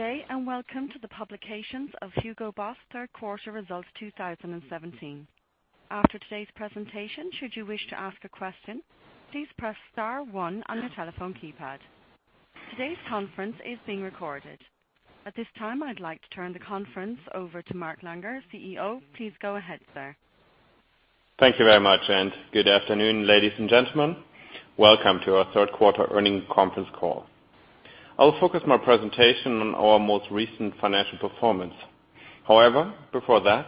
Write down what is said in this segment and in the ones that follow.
Good day, welcome to the publications of Hugo Boss third quarter results 2017. After today's presentation, should you wish to ask a question, please press star one on your telephone keypad. Today's conference is being recorded. At this time, I'd like to turn the conference over to Mark Langer, CEO. Please go ahead, sir. Thank you very much, good afternoon, ladies and gentlemen. Welcome to our third quarter earnings conference call. I will focus my presentation on our most recent financial performance. Before that,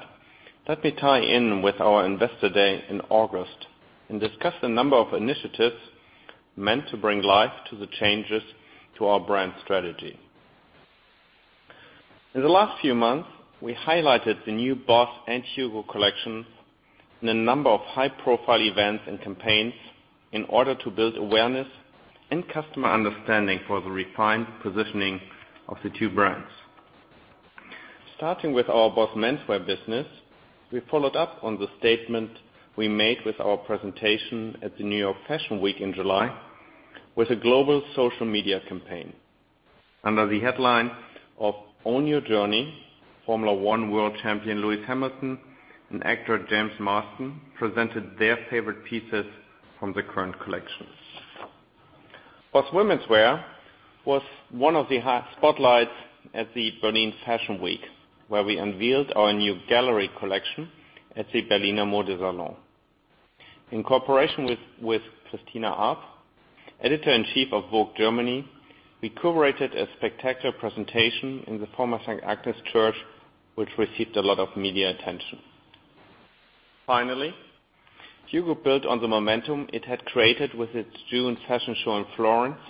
let me tie in with our Investor Day in August and discuss the number of initiatives meant to bring life to the changes to our brand strategy. In the last few months, we highlighted the new BOSS and HUGO collections in a number of high-profile events and campaigns in order to build awareness and customer understanding for the refined positioning of the two brands. Starting with our BOSS menswear business, we followed up on the statement we made with our presentation at the New York Fashion Week in July with a global social media campaign. Under the headline of Own Your Journey, Formula One World Champion Lewis Hamilton and actor James Marsden presented their favorite pieces from the current collection. BOSS womenswear was one of the spotlights at the Berlin Fashion Week, where we unveiled our new Gallery Collection at Der Berliner Salon. In cooperation with Christiane Arp, Editor-in-Chief of Vogue Germany, we curated a spectacular presentation in the former St. Agnes Church, which received a lot of media attention. HUGO built on the momentum it had created with its June fashion show in Florence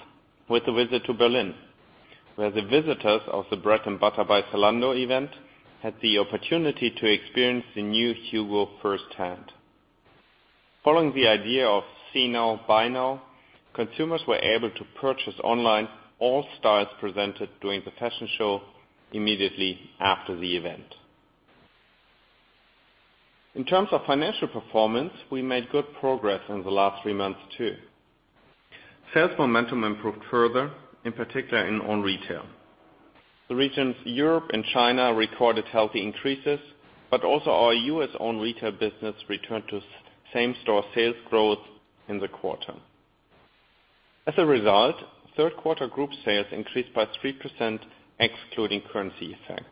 with a visit to Berlin, where the visitors of the Bread & Butter by Zalando event had the opportunity to experience the new HUGO firsthand. Following the idea of see now, buy now, consumers were able to purchase online all styles presented during the fashion show immediately after the event. In terms of financial performance, we made good progress in the last three months, too. Sales momentum improved further, in particular in own retail. The regions Europe and China recorded healthy increases, also our U.S. own retail business returned to same-store sales growth in the quarter. As a result, third quarter group sales increased by 3%, excluding currency effects.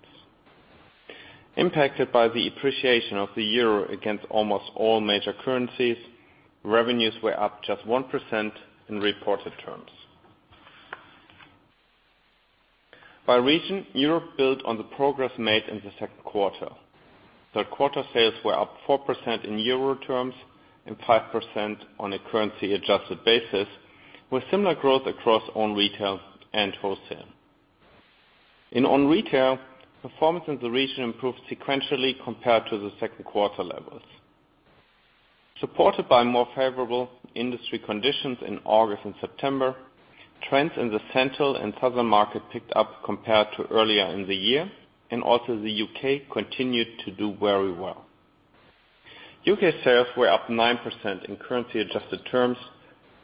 Impacted by the appreciation of the euro against almost all major currencies, revenues were up just 1% in reported terms. By region, Europe built on the progress made in the second quarter. Third quarter sales were up 4% in euro terms and 5% on a currency-adjusted basis, with similar growth across own retail and wholesale. In own retail, performance in the region improved sequentially compared to the second quarter levels. Supported by more favorable industry conditions in August and September, trends in the central and southern market picked up compared to earlier in the year. The U.K. continued to do very well. U.K. sales were up 9% in currency-adjusted terms,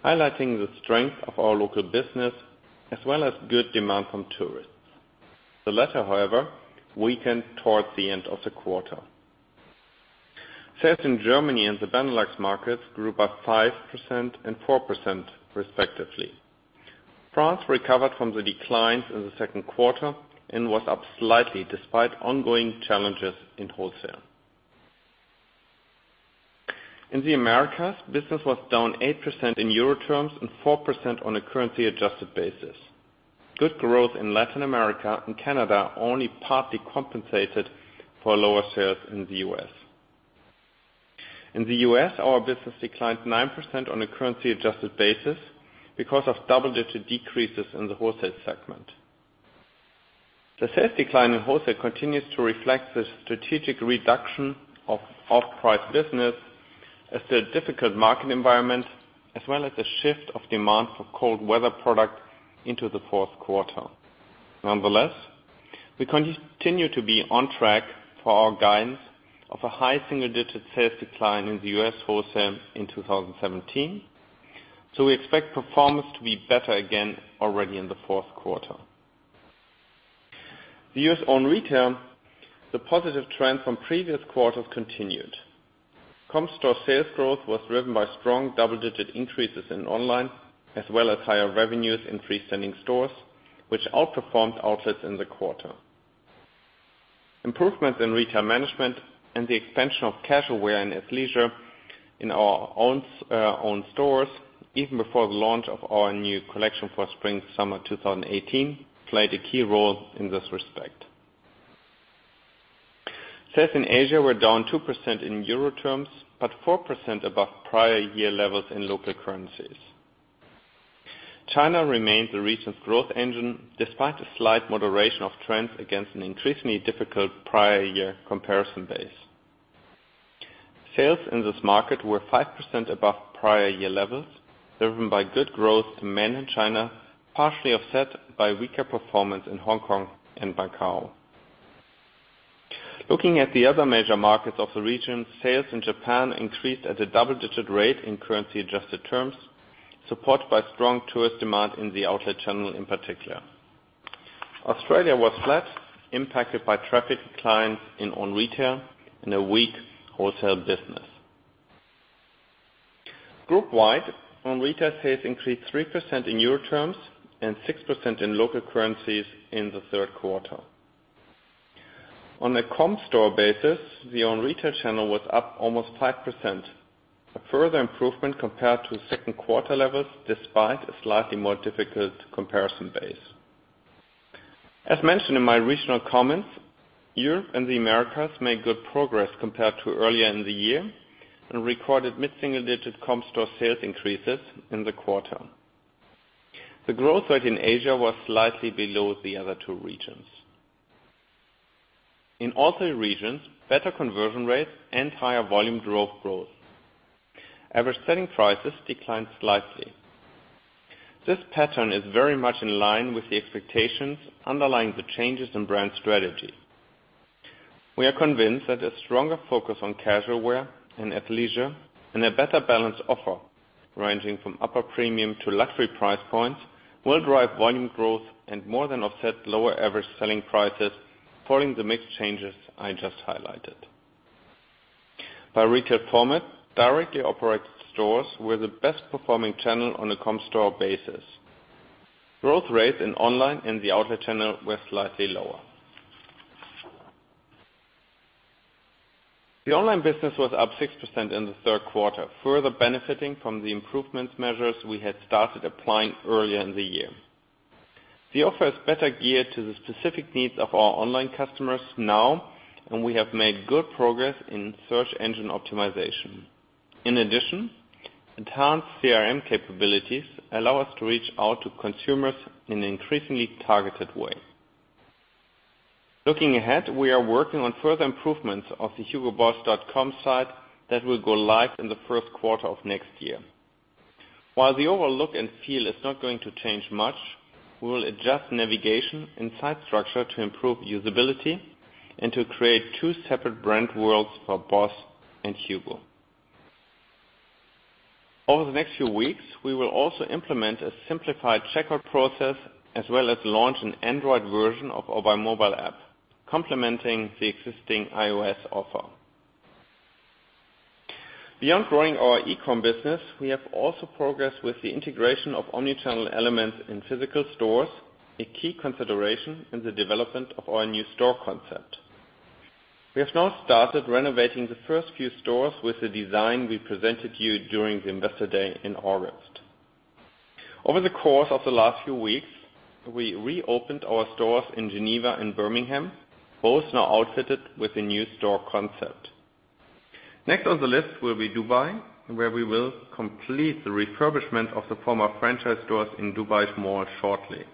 highlighting the strength of our local business as well as good demand from tourists. The latter, however, weakened towards the end of the quarter. Sales in Germany and the Benelux markets grew by 5% and 4%, respectively. France recovered from the declines in the second quarter and was up slightly despite ongoing challenges in wholesale. In the Americas, business was down 8% in EUR terms and 4% on a currency-adjusted basis. Good growth in Latin America and Canada only partly compensated for lower sales in the U.S. In the U.S., our business declined 9% on a currency-adjusted basis because of double-digit decreases in the wholesale segment. The sales decline in wholesale continues to reflect the strategic reduction of off-price business as the difficult market environment, as well as the shift of demand for cold weather product into the fourth quarter. Nonetheless, we continue to be on track for our guidance of a high single-digit sales decline in the U.S. wholesale in 2017. We expect performance to be better again already in the fourth quarter. The U.S. own retail, the positive trend from previous quarters continued. Comp store sales growth was driven by strong double-digit increases in online, as well as higher revenues in free-standing stores, which outperformed outlets in the quarter. Improvements in retail management and the expansion of casual wear and athleisure in our own stores, even before the launch of our new collection for spring/summer 2018, played a key role in this respect. Sales in Asia were down 2% in EUR terms, but 4% above prior year levels in local currencies. China remains the region's growth engine, despite a slight moderation of trends against an increasingly difficult prior year comparison base. Sales in this market were 5% above prior year levels, driven by good growth to mainland China, partially offset by weaker performance in Hong Kong and Macau. Looking at the other major markets of the region, sales in Japan increased at a double-digit rate in currency-adjusted terms, supported by strong tourist demand in the outlet channel in particular. Australia was flat, impacted by traffic declines in own retail and a weak wholesale business. Groupwide, own retail sales increased 3% in EUR terms and 6% in local currencies in the third quarter. On a comp store basis, the own retail channel was up almost 5%, a further improvement compared to second quarter levels, despite a slightly more difficult comparison base. As mentioned in my regional comments, Europe and the Americas made good progress compared to earlier in the year, recorded mid-single-digit comp store sales increases in the quarter. The growth rate in Asia was slightly below the other two regions. In all three regions, better conversion rates and higher volume drove growth. Average selling prices declined slightly. This pattern is very much in line with the expectations underlying the changes in brand strategy. We are convinced that a stronger focus on casual wear and athleisure and a better balanced offer, ranging from upper premium to luxury price points, will drive volume growth and more than offset lower average selling prices following the mixed changes I just highlighted. By retail format, directly operated stores were the best-performing channel on a comp store basis. Growth rates in online and the outlet channel were slightly lower. The online business was up 6% in the third quarter, further benefiting from the improvement measures we had started applying earlier in the year. The offer is better geared to the specific needs of our online customers now, and we have made good progress in search engine optimization. In addition, enhanced CRM capabilities allow us to reach out to consumers in an increasingly targeted way. Looking ahead, we are working on further improvements of the hugoboss.com site that will go live in the first quarter of next year. While the overall look and feel is not going to change much, we will adjust navigation and site structure to improve usability and to create two separate brand worlds for Boss and Hugo. Over the next few weeks, we will also implement a simplified checkout process as well as launch an Android version of our mobile app, complementing the existing iOS offer. Beyond growing our e-com business, we have also progressed with the integration of omni-channel elements in physical stores, a key consideration in the development of our new store concept. We have now started renovating the first few stores with the design we presented you during the investor day in August. Over the course of the last few weeks, we reopened our stores in Geneva and Birmingham, both now outfitted with a new store concept. Next on the list will be Dubai, where we will complete the refurbishment of the former franchise stores in Dubai Mall shortly.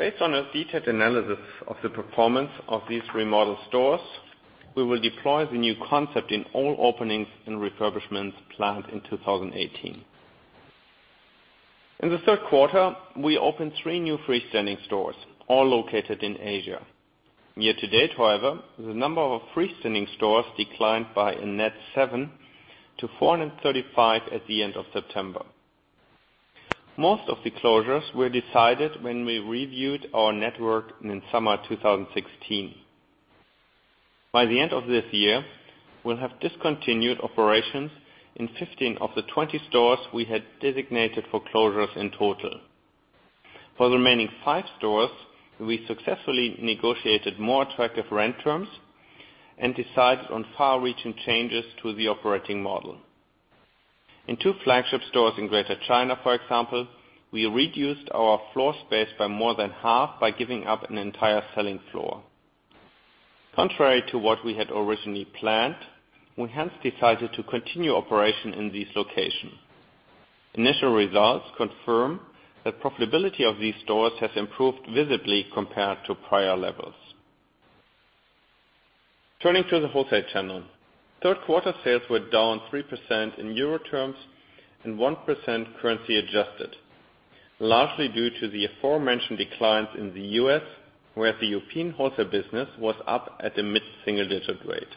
Based on a detailed analysis of the performance of these remodeled stores, we will deploy the new concept in all openings and refurbishments planned in 2018. In the third quarter, we opened three new freestanding stores, all located in Asia. Year to date, however, the number of freestanding stores declined by a net seven to 435 at the end of September. Most of the closures were decided when we reviewed our network in summer 2016. By the end of this year, we'll have discontinued operations in 15 of the 20 stores we had designated for closures in total. For the remaining five stores, we successfully negotiated more attractive rent terms and decided on far-reaching changes to the operating model. In two flagship stores in Greater China, for example, we reduced our floor space by more than half by giving up an entire selling floor. Contrary to what we had originally planned, we hence decided to continue operation in these locations. Initial results confirm that profitability of these stores has improved visibly compared to prior levels. Turning to the wholesale channel. Third quarter sales were down 3% in Euro terms and 1% currency adjusted, largely due to the aforementioned declines in the U.S., where the European wholesale business was up at a mid-single digit rate.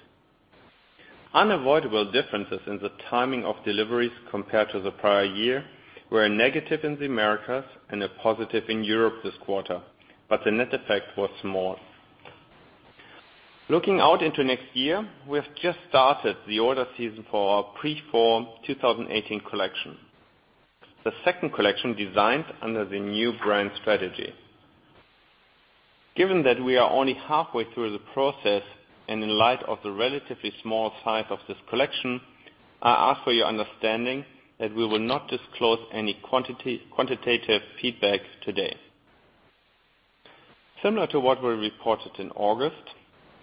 Unavoidable differences in the timing of deliveries compared to the prior year were negative in the Americas and positive in Europe this quarter, but the net effect was small. Looking out into next year, we have just started the order season for our pre-fall 2018 collection, the second collection designed under the new brand strategy. Given that we are only halfway through the process and in light of the relatively small size of this collection, I ask for your understanding that we will not disclose any quantitative feedback today. Similar to what we reported in August,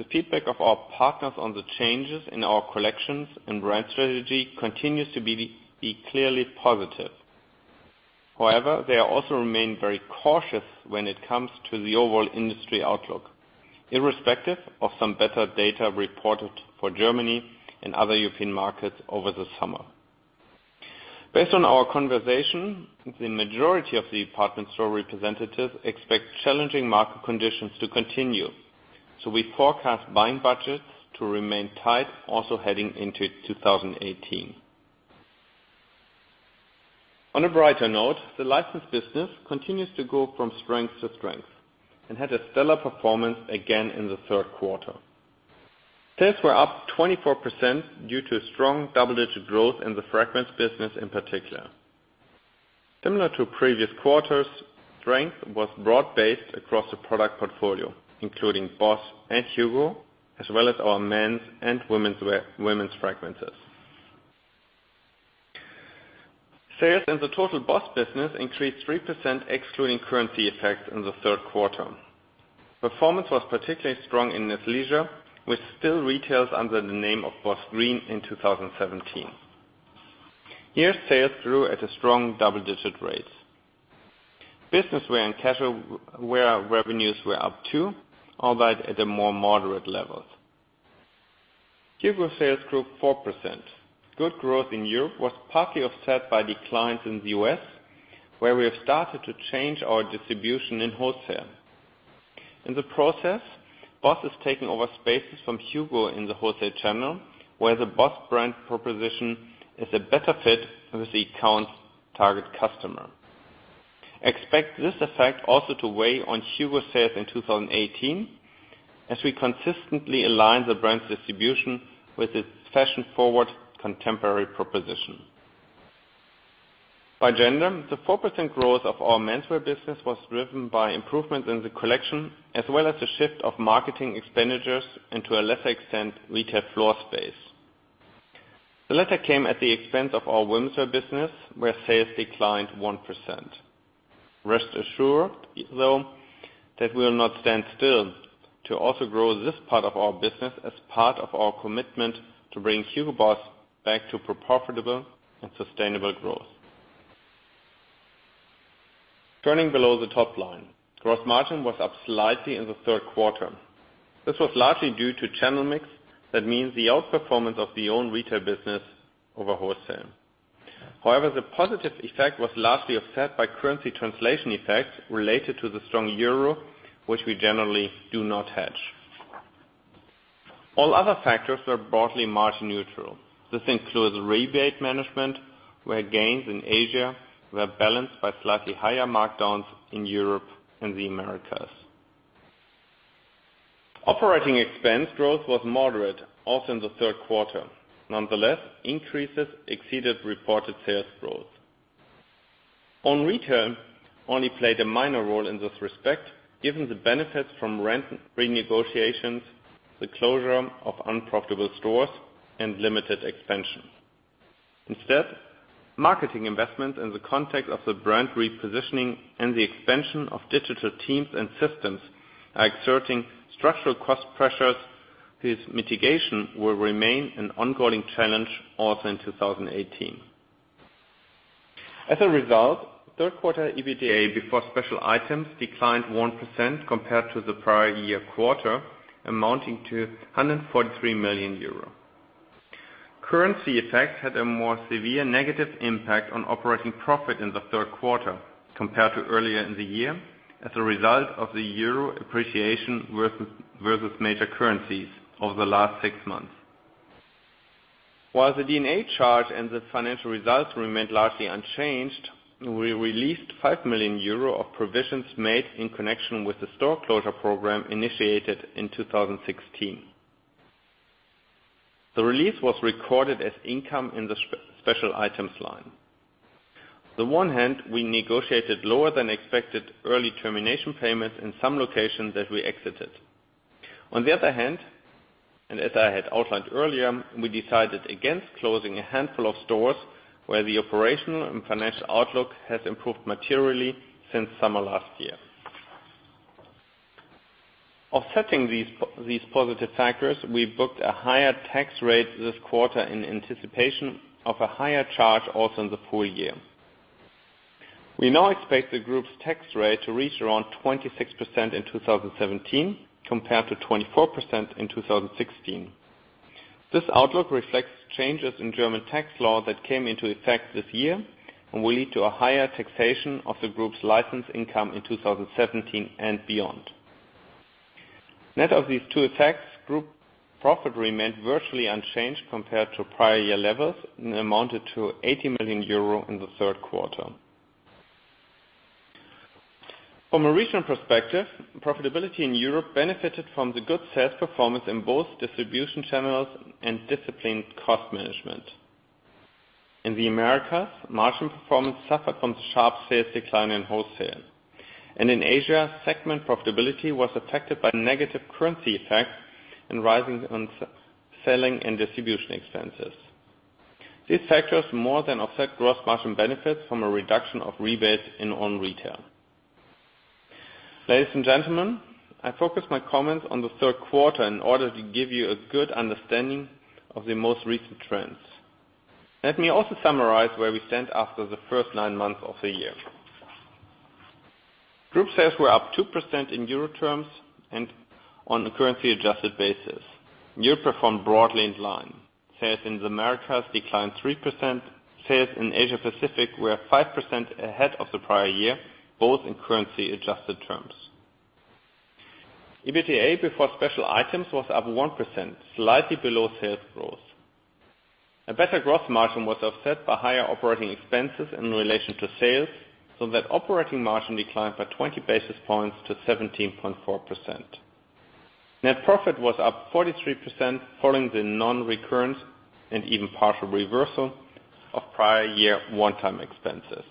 the feedback of our partners on the changes in our collections and brand strategy continues to be clearly positive. However, they also remain very cautious when it comes to the overall industry outlook, irrespective of some better data reported for Germany and other European markets over the summer. Based on our conversation, the majority of the department store representatives expect challenging market conditions to continue. We forecast buying budgets to remain tight also heading into 2018. On a brighter note, the licensed business continues to go from strength to strength and had a stellar performance again in the third quarter. Sales were up 24% due to strong double-digit growth in the fragrance business in particular. Similar to previous quarters, strength was broad-based across the product portfolio, including Boss and Hugo, as well as our men's and women's fragrances. Sales in the total Boss business increased 3% excluding currency effects in the third quarter. Performance was particularly strong in athleisure, which still retails under the name of Boss Green in 2017. Here, sales grew at a strong double-digit rate. Business wear and casual wear revenues were up too, albeit at a more moderate level. Hugo sales grew 4%. Good growth in Europe was partly offset by declines in the U.S., where we have started to change our distribution in wholesale. In the process, Boss is taking over spaces from Hugo in the wholesale channel, where the Boss brand proposition is a better fit with the account target customer. Expect this effect also to weigh on Hugo sales in 2018, as we consistently align the brand's distribution with its fashion-forward contemporary proposition. By gender, the 4% growth of our menswear business was driven by improvements in the collection as well as the shift of marketing expenditures and to a lesser extent, retail floor space. The latter came at the expense of our womenswear business, where sales declined 1%. Rest assured, though, that we will not stand still to also grow this part of our business as part of our commitment to bring Hugo Boss back to profitable and sustainable growth. Turning below the top line, gross margin was up slightly in the third quarter. This was largely due to channel mix. That means the outperformance of the own retail business over wholesale. However, the positive effect was largely offset by currency translation effects related to the strong euro, which we generally do not hedge. All other factors were broadly margin neutral. This includes rebate management, where gains in Asia were balanced by slightly higher markdowns in Europe and the Americas. Operating expense growth was moderate, also in the third quarter. Nonetheless, increases exceeded reported sales growth. Own retail only played a minor role in this respect, given the benefits from rent renegotiations, the closure of unprofitable stores, and limited expansion. Instead, marketing investments in the context of the brand repositioning and the expansion of digital teams and systems are exerting structural cost pressures whose mitigation will remain an ongoing challenge also in 2018. As a result, third quarter EBITDA before special items declined 1% compared to the prior year quarter, amounting to 143 million euro. Currency effects had a more severe negative impact on operating profit in the third quarter compared to earlier in the year as a result of the EUR appreciation versus major currencies over the last six months. While the D&A charge and the financial results remained largely unchanged, we released 5 million euro of provisions made in connection with the store closure program initiated in 2016. The release was recorded as income in the special items line. On the one hand, we negotiated lower than expected early termination payments in some locations that we exited. On the other hand, and as I had outlined earlier, we decided against closing a handful of stores where the operational and financial outlook has improved materially since summer last year. Offsetting these positive factors, we booked a higher tax rate this quarter in anticipation of a higher charge also in the full year. We now expect the group's tax rate to reach around 26% in 2017 compared to 24% in 2016. This outlook reflects changes in German tax law that came into effect this year and will lead to a higher taxation of the group's licensed income in 2017 and beyond. Net of these two effects, group profit remained virtually unchanged compared to prior year levels and amounted to 80 million euro in the third quarter. From a regional perspective, profitability in Europe benefited from the good sales performance in both distribution channels and disciplined cost management. In the Americas, margin performance suffered from the sharp sales decline in wholesale. In Asia, segment profitability was affected by negative currency effects and rising selling and distribution expenses. These factors more than offset gross margin benefits from a reduction of rebates in own retail. Ladies and gentlemen, I focus my comments on the third quarter in order to give you a good understanding of the most recent trends. Let me also summarize where we stand after the first nine months of the year. Group sales were up 2% in EUR terms and on a currency adjusted basis. Europe performed broadly in line. Sales in the Americas declined 3%, sales in Asia Pacific were 5% ahead of the prior year, both in currency adjusted terms. EBITDA before special items was up 1%, slightly below sales growth. A better gross margin was offset by higher operating expenses in relation to sales, so that operating margin declined by 20 basis points to 17.4%. Net profit was up 43% following the non-reoccurrence and even partial reversal of prior year one-time expenses.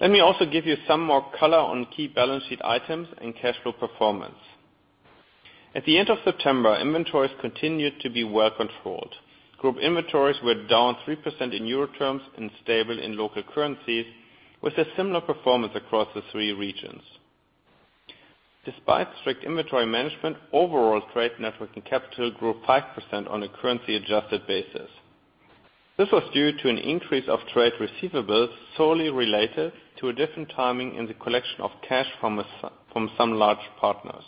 Let me also give you some more color on key balance sheet items and cash flow performance. At the end of September, inventories continued to be well-controlled. Group inventories were down 3% in EUR terms and stable in local currencies, with a similar performance across the three regions. Despite strict inventory management, overall trade net working capital grew 5% on a currency adjusted basis. This was due to an increase of trade receivables solely related to a different timing in the collection of cash from some large partners.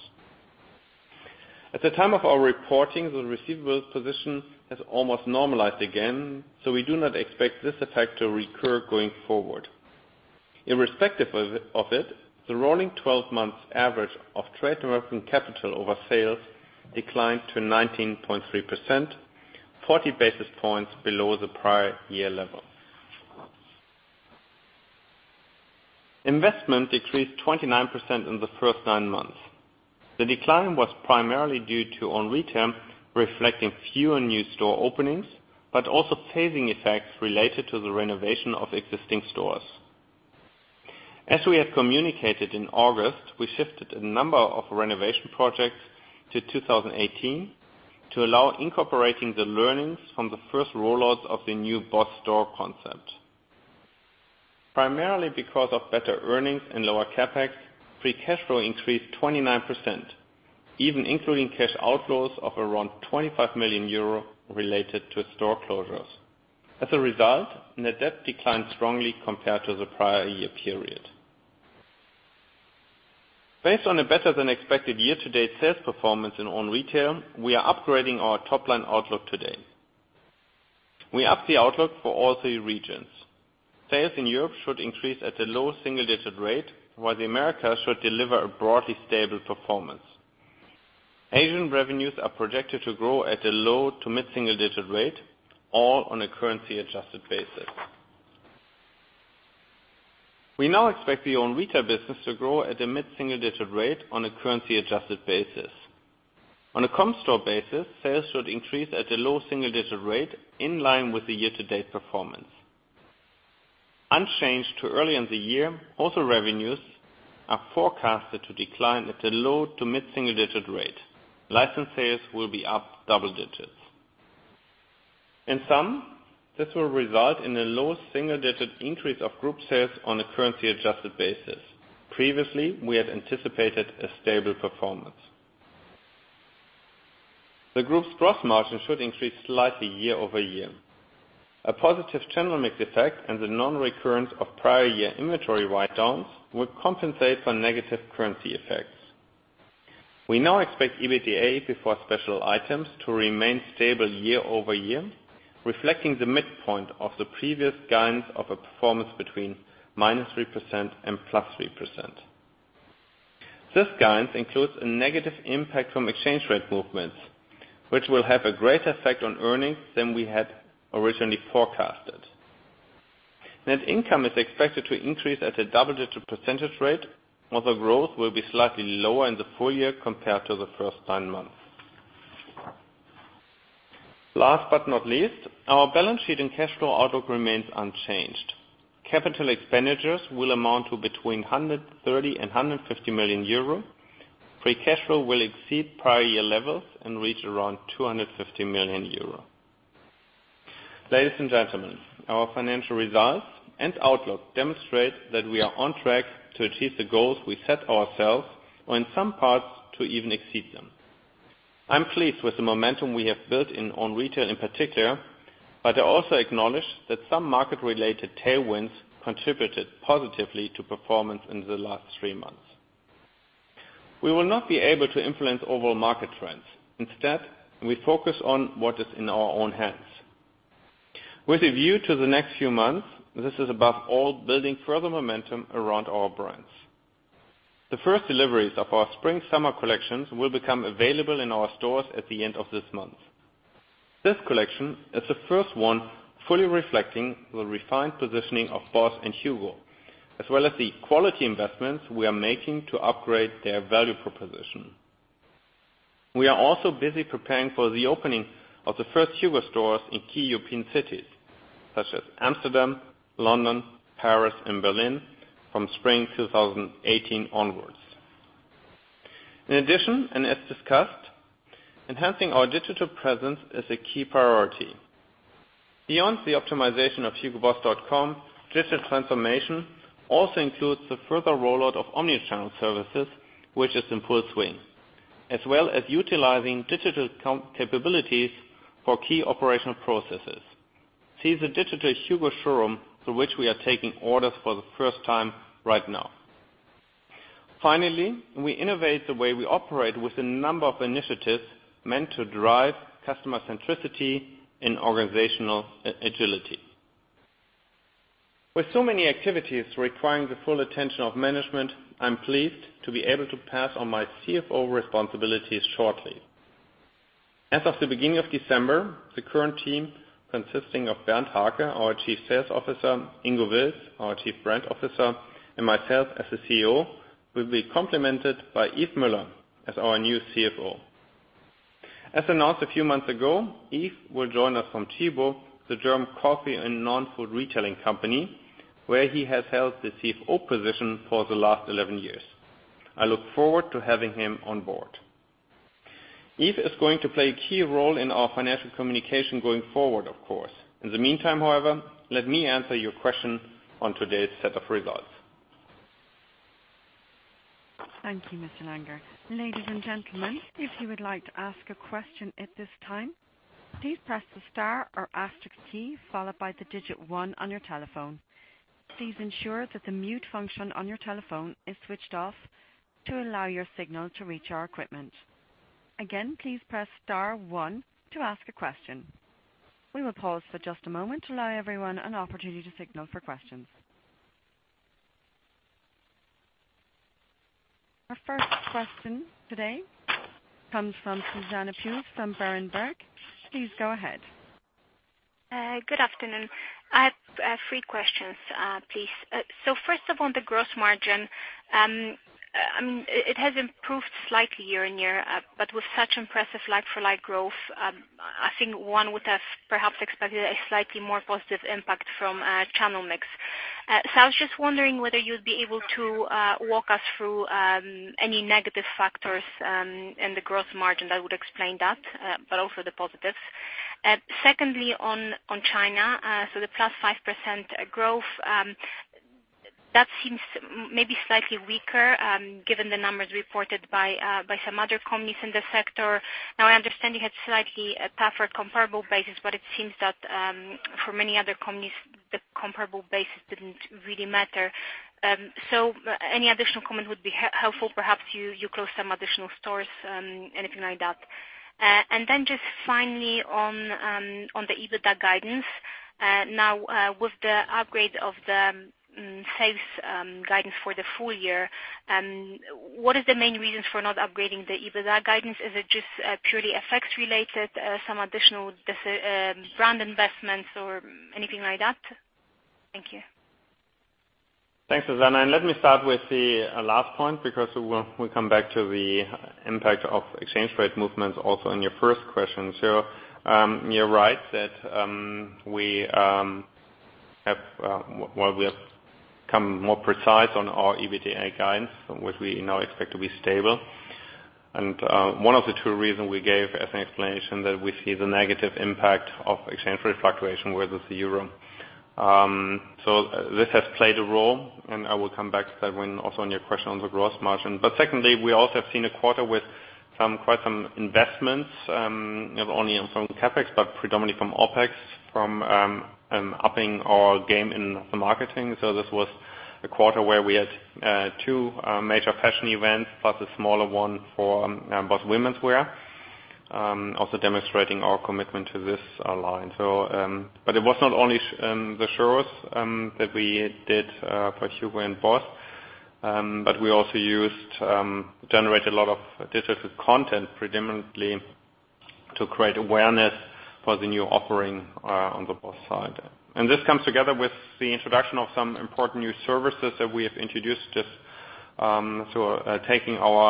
At the time of our reporting, the receivables position has almost normalized again. We do not expect this effect to recur going forward. Irrespective of it, the rolling 12 months average of trade working capital over sales declined to 19.3%, 40 basis points below the prior year level. Investment decreased 29% in the first nine months. The decline was primarily due to own retail, reflecting fewer new store openings, but also phasing effects related to the renovation of existing stores. As we had communicated in August, we shifted a number of renovation projects to 2018 to allow incorporating the learnings from the first rollouts of the new Boss store concept. Primarily because of better earnings and lower CapEx, free cash flow increased 29%, even including cash outflows of around 25 million euro related to store closures. As a result, net debt declined strongly compared to the prior-year period. Based on a better-than-expected year-to-date sales performance in own retail, we are upgrading our top-line outlook today. We upped the outlook for all three regions. Sales in Europe should increase at a low single-digit rate, while the Americas should deliver a broadly stable performance. Asian revenues are projected to grow at a low to mid-single digit rate, all on a currency adjusted basis. We now expect the own retail business to grow at a mid-single digit rate on a currency adjusted basis. On a comp store basis, sales should increase at a low single-digit rate in line with the year-to-date performance. Unchanged to early in the year, wholesale revenues are forecasted to decline at a low to mid-single digit rate. License sales will be up double digits. In sum, this will result in a low single-digit increase of group sales on a currency adjusted basis. Previously, we had anticipated a stable performance. The group's gross margin should increase slightly year-over-year. A positive channel mix effect and the non-reoccurrence of prior-year inventory write-downs will compensate for negative currency effects. We now expect EBITDA before special items to remain stable year-over-year, reflecting the midpoint of the previous guidance of a performance between -3% and +3%. This guidance includes a negative impact from exchange rate movements, which will have a greater effect on earnings than we had originally forecasted. Net income is expected to increase at a double-digit percentage rate, although growth will be slightly lower in the full year compared to the first nine months. Last but not least, our balance sheet and cash flow outlook remains unchanged. Capital expenditures will amount to between 130 million and 150 million euro. Free cash flow will exceed prior-year levels and reach around 250 million euro. Ladies and gentlemen, our financial results and outlook demonstrate that we are on track to achieve the goals we set ourselves or in some parts, to even exceed them. I'm pleased with the momentum we have built in own retail in particular, but I also acknowledge that some market-related tailwinds contributed positively to performance in the last three months. We will not be able to influence overall market trends. Instead, we focus on what is in our own hands. With a view to the next few months, this is above all building further momentum around our brands. The first deliveries of our spring/summer collections will become available in our stores at the end of this month. This collection is the first one fully reflecting the refined positioning of Boss and Hugo, as well as the quality investments we are making to upgrade their value proposition. We are also busy preparing for the opening of the first Hugo stores in key European cities, such as Amsterdam, London, Paris, and Berlin from spring 2018 onwards. In addition, and as discussed, enhancing our digital presence is a key priority. Beyond the optimization of hugoboss.com, digital transformation also includes the further rollout of omni-channel services, which is in full swing, as well as utilizing digital capabilities for key operational processes. See the digital Hugo showroom through which we are taking orders for the first time right now. Finally, we innovate the way we operate with a number of initiatives meant to drive customer centricity and organizational agility. With so many activities requiring the full attention of management, I am pleased to be able to pass on my CFO responsibilities shortly. As of the beginning of December, the current team, consisting of Bernd Hake, our Chief Sales Officer, Ingo Wilts, our Chief Brand Officer, and myself as the CEO, will be complemented by Yves Müller as our new CFO. As announced a few months ago, Yves will join us from Tchibo, the German coffee and non-food retailing company, where he has held the CFO position for the last 11 years. I look forward to having him on board. Yves is going to play a key role in our financial communication going forward, of course. In the meantime, however, let me answer your question on today's set of results. Thank you, Mr. Langer. Ladies and gentlemen, if you would like to ask a question at this time, please press the star or asterisk key followed by the digit one on your telephone. Please ensure that the mute function on your telephone is switched off to allow your signal to reach our equipment. Again, please press star one to ask a question. We will pause for just a moment to allow everyone an opportunity to signal for questions. Our first question today comes from Susanna Wilson from Berenberg. Please go ahead. Good afternoon. I have three questions, please. First of on the gross margin. It has improved slightly year-on-year, but with such impressive like-for-like growth, I think one would have perhaps expected a slightly more positive impact from channel mix. So I was just wondering whether you would be able to walk us through any negative factors in the gross margin that would explain that, but also the positives. Secondly, on China. The plus 5% growth, that seems maybe slightly weaker, given the numbers reported by some other companies in the sector. Now, I understand you had slightly tougher comparable basis, but it seems that for many other companies, the comparable basis didn't really matter. So any additional comment would be helpful. Perhaps you close some additional stores, anything like that. And then just finally on the EBITDA guidance. Now, with the upgrade of the sales guidance for the full year, what is the main reason for not upgrading the EBITDA guidance? Is it just purely effects related, some additional brand investments or anything like that? Thank you. Thanks, Susanna, let me start with the last point, because we come back to the impact of exchange rate movements also in your first question. You're right that we have become more precise on our EBITDA guidance, which we now expect to be stable. One of the two reasons we gave as an explanation that we see the negative impact of exchange rate fluctuation with the euro. This has played a role, and I will come back to that also on your question on the gross margin. Secondly, we also have seen a quarter with quite some investments, not only from CapEx, but predominantly from OpEx, from upping our game in the marketing. This was a quarter where we had two major fashion events, plus a smaller one for BOSS Womenswear, also demonstrating our commitment to this line. It was not only the shows that we did for Hugo and Boss, but we also generated a lot of digital content, predominantly to create awareness for the new offering on the Boss side. This comes together with the introduction of some important new services that we have introduced. Taking our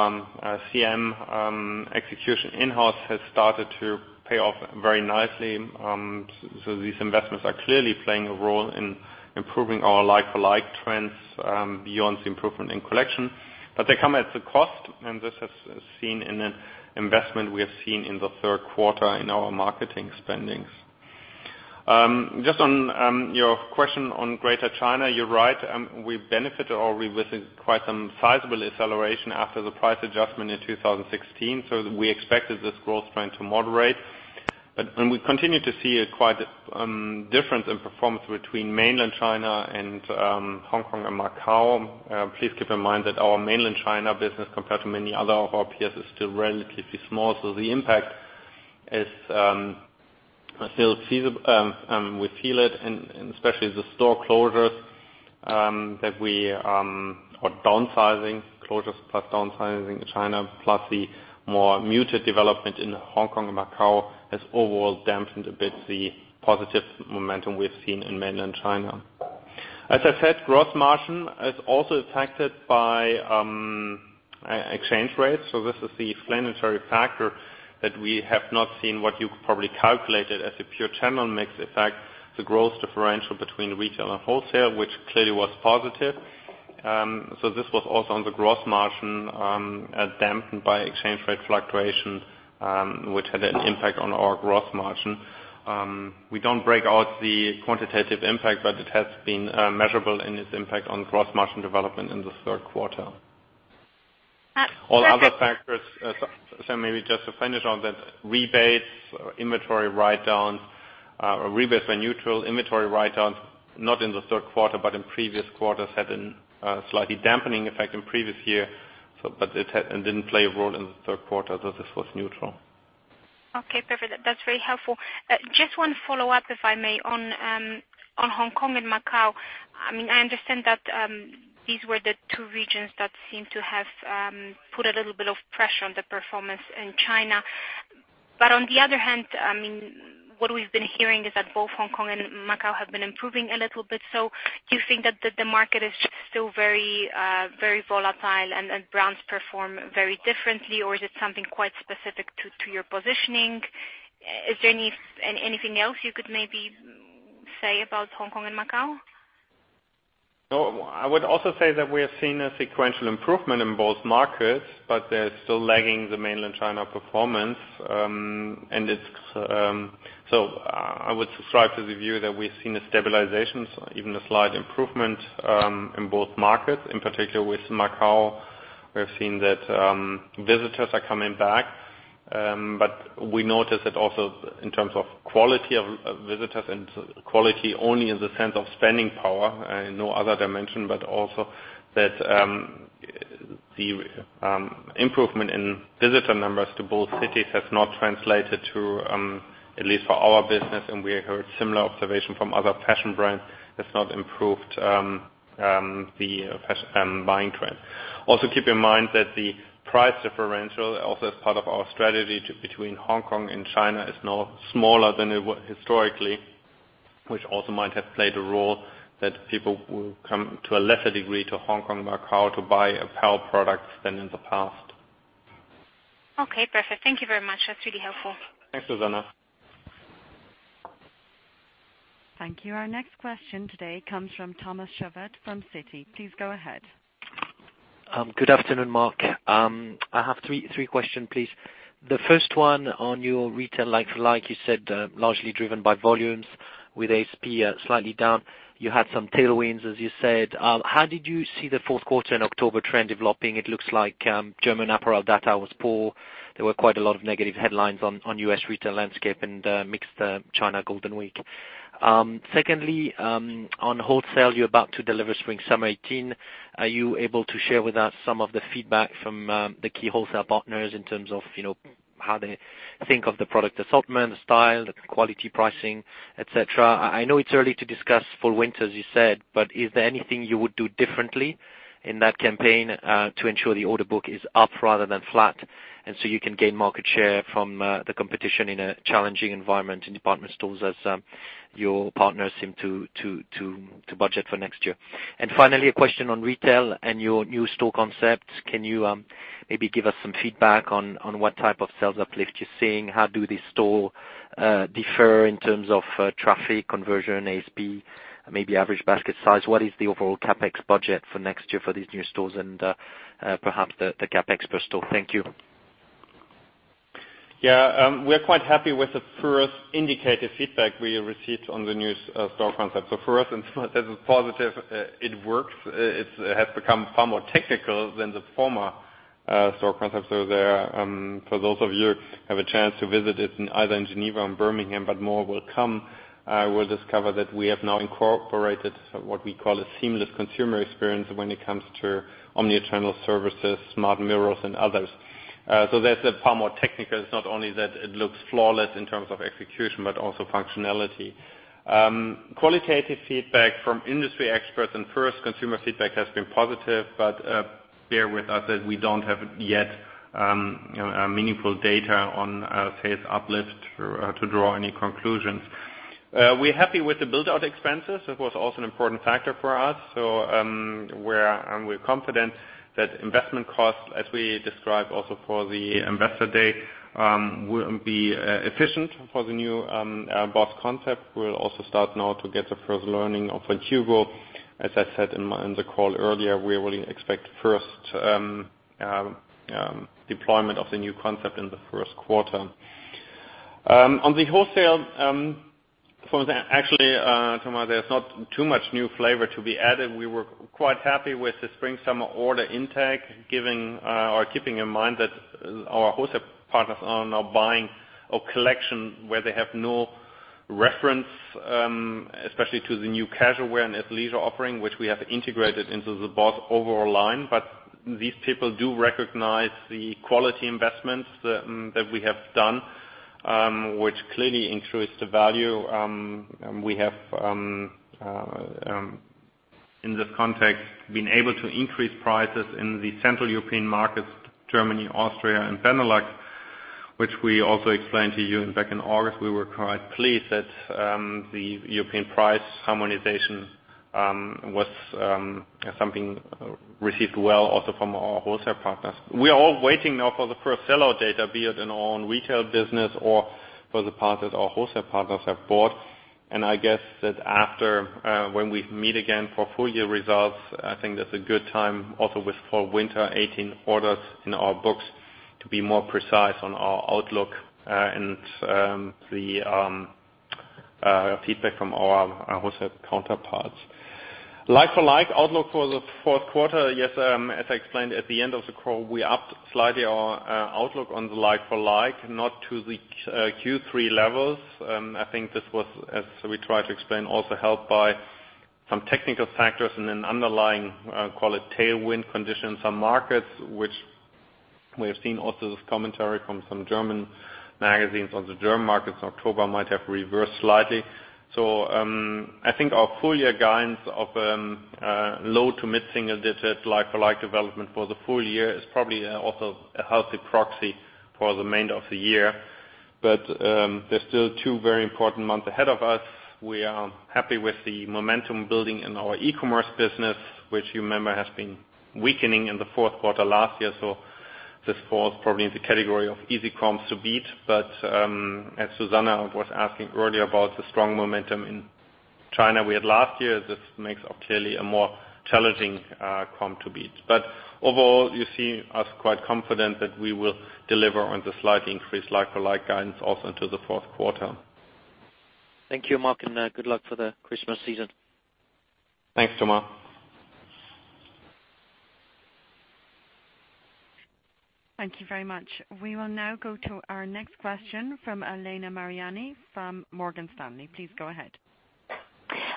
CRM execution in-house has started to pay off very nicely. These investments are clearly playing a role in improving our like-to-like trends beyond the improvement in collection. They come at a cost, and this is seen in an investment we have seen in the third quarter in our marketing spendings. Just on your question on Greater China. You're right, we benefited or we witnessed quite some sizable acceleration after the price adjustment in 2016. We expected this growth trend to moderate. We continue to see quite a difference in performance between Mainland China and Hong Kong and Macau. Please keep in mind that our Mainland China business, compared to many other of our peers, is still relatively small. The impact we feel it in especially the store closures or downsizing, closures plus downsizing in China, plus the more muted development in Hong Kong and Macau, has overall dampened a bit the positive momentum we've seen in Mainland China. As I said, gross margin is also affected by exchange rates. This is the explanatory factor that we have not seen what you probably calculated as a pure channel mix effect, the growth differential between retail and wholesale, which clearly was positive. This was also on the gross margin, dampened by exchange rate fluctuation, which had an impact on our gross margin. We don't break out the quantitative impact, but it has been measurable in its impact on gross margin development in the third quarter. All other factors, so maybe just to finish on that, rebates or inventory write-downs. Our rebates were neutral. Inventory write-downs, not in the third quarter, but in previous quarters, had a slightly dampening effect in previous year, but it didn't play a role in the third quarter, so this was neutral. Okay, perfect. That's very helpful. Just one follow-up, if I may, on Hong Kong and Macau. I understand that these were the two regions that seem to have put a little bit of pressure on the performance in China. On the other hand, what we've been hearing is that both Hong Kong and Macau have been improving a little bit. Do you think that the market is still very volatile and brands perform very differently, or is it something quite specific to your positioning? Is there anything else you could maybe say about Hong Kong and Macau? No. I would also say that we have seen a sequential improvement in both markets, but they're still lagging the mainland China performance. I would subscribe to the view that we've seen a stabilization, even a slight improvement, in both markets. In particular with Macau, we've seen that visitors are coming back. We noticed that also in terms of quality of visitors and quality only in the sense of spending power and no other dimension, but also that the improvement in visitor numbers to both cities has not translated to, at least for our business, and we heard similar observation from other fashion brands, has not improved the buying trend. Keep in mind that the price differential, also as part of our strategy between Hong Kong and China, is now smaller than it was historically, which also might have played a role that people will come to a lesser degree to Hong Kong, Macau to buy apparel products than in the past. Okay, perfect. Thank you very much. That's really helpful. Thanks, Susanna. Thank you. Our next question today comes from Thomas Chauvet from Citi. Please go ahead. Good afternoon, Mark. I have three question, please. The first one on your retail, like you said, largely driven by volumes with ASP slightly down. You had some tailwinds, as you said. How did you see the fourth quarter and October trend developing? It looks like German apparel data was poor. There were quite a lot of negative headlines on U.S. retail landscape and mixed China Golden Week. Secondly, on wholesale, you're about to deliver spring/summer 2018. Are you able to share with us some of the feedback from the key wholesale partners in terms of how they think of the product assortment, the style, the quality pricing, et cetera? I know it's early to discuss for winter, as you said. Is there anything you would do differently in that campaign to ensure the order book is up rather than flat, and so you can gain market share from the competition in a challenging environment in department stores as your partners seem to budget for next year? Finally, a question on retail and your new store concept. Can you maybe give us some feedback on what type of sales uplift you're seeing? How do these store differ in terms of traffic conversion, ASP, maybe average basket size? What is the overall CapEx budget for next year for these new stores and perhaps the CapEx per store? Thank you. Yeah. We are quite happy with the first indicator feedback we received on the new store concept. For us, that is positive. It works. It has become far more technical than the former store concept. For those of you who have a chance to visit it either in Geneva or in Birmingham, but more will come, will discover that we have now incorporated what we call a seamless consumer experience when it comes to omni-channel services, smart mirrors and others. That's far more technical. It's not only that it looks flawless in terms of execution, but also functionality. Qualitative feedback from industry experts and first consumer feedback has been positive. Bear with us as we don't have yet meaningful data on sales uplift to draw any conclusions. We're happy with the build-out expenses. That was also an important factor for us. We're confident that investment costs, as we described also for the investor day, will be efficient for the new Boss concept. We'll also start now to get the first learning of Hugo. As I said in the call earlier, we really expect first deployment of the new concept in the first quarter. On the wholesale front, actually, Thomas, there's not too much new flavor to be added. We were quite happy with the spring/summer order intake, keeping in mind that our wholesale partners are now buying a collection where they have no reference, especially to the new casual wear and athleisure offering, which we have integrated into the Boss overall line. These people do recognize the quality investments that we have done, which clearly increased the value. We have, in this context, been able to increase prices in the Central European markets, Germany, Austria, and Benelux, which we also explained to you back in August. We were quite pleased that the European price harmonization was something received well also from our wholesale partners. We are all waiting now for the first sell-out data, be it in our own retail business or for the part that our wholesale partners have bought. I guess that after, when we meet again for full year results, I think that's a good time also with fall/winter 2018 orders in our books to be more precise on our outlook and the Feedback from all our wholesale counterparts. Like-for-like outlook for the fourth quarter, yes, as I explained at the end of the call, we upped slightly our outlook on the like-for-like, not to the Q3 levels. I think this was, as we tried to explain, also helped by some technical factors and an underlying, call it tailwind conditions in some markets, which we have seen also this commentary from some German magazines on the German markets in October might have reversed slightly. I think our full-year guidance of low to mid-single digit like-for-like development for the full year is probably also a healthy proxy for the remainder of the year. There's still two very important months ahead of us. We are happy with the momentum building in our e-commerce business, which you remember has been weakening in the fourth quarter last year, so this falls probably in the category of easy comps to beat. As Susanna was asking earlier about the strong momentum in China we had last year, this makes up clearly a more challenging comp to beat. Overall, you see us quite confident that we will deliver on the slightly increased like-for-like guidance also into the fourth quarter. Thank you, Mark, and good luck for the Christmas season. Thanks, Thomas. Thank you very much. We will now go to our next question from Elena Mariani from Morgan Stanley. Please go ahead.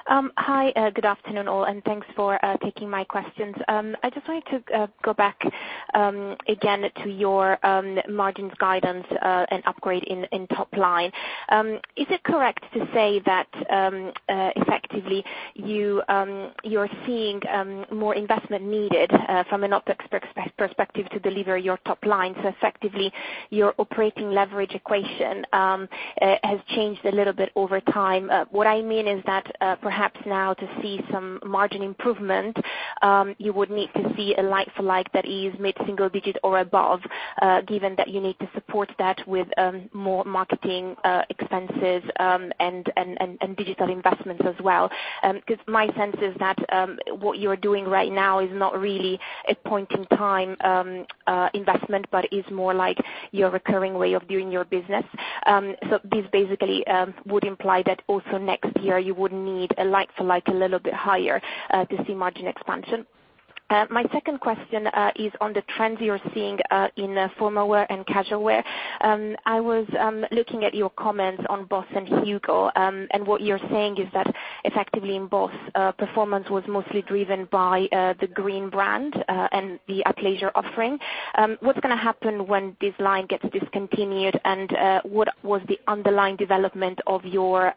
Hi, good afternoon all. Thanks for taking my questions. I just wanted to go back again to your margins guidance and upgrade in top line. Is it correct to say that effectively you're seeing more investment needed from an OpEx perspective to deliver your top line? Effectively your operating leverage equation has changed a little bit over time. What I mean is that perhaps now to see some margin improvement, you would need to see a like-for-like that is mid-single digit or above, given that you need to support that with more marketing expenses and digital investments as well. My sense is that what you're doing right now is not really a point-in-time investment, but is more like your recurring way of doing your business. This basically would imply that also next year, you would need a like-for-like a little bit higher to see margin expansion. My second question is on the trends you're seeing in formal wear and casual wear. I was looking at your comments on Boss and Hugo. What you're saying is that effectively in Boss, performance was mostly driven by the Green brand and the athleisure offering. What's going to happen when this line gets discontinued, and what was the underlying development of your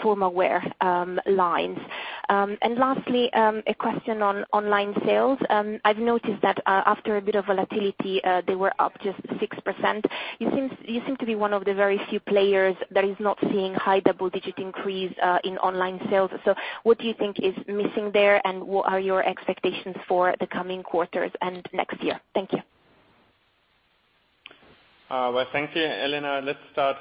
formal wear lines? Lastly, a question on online sales. I've noticed that after a bit of volatility, they were up just 6%. You seem to be one of the very few players that is not seeing high double-digit increase in online sales. What do you think is missing there, and what are your expectations for the coming quarters and next year? Thank you. Well, thank you, Elena. Let's start.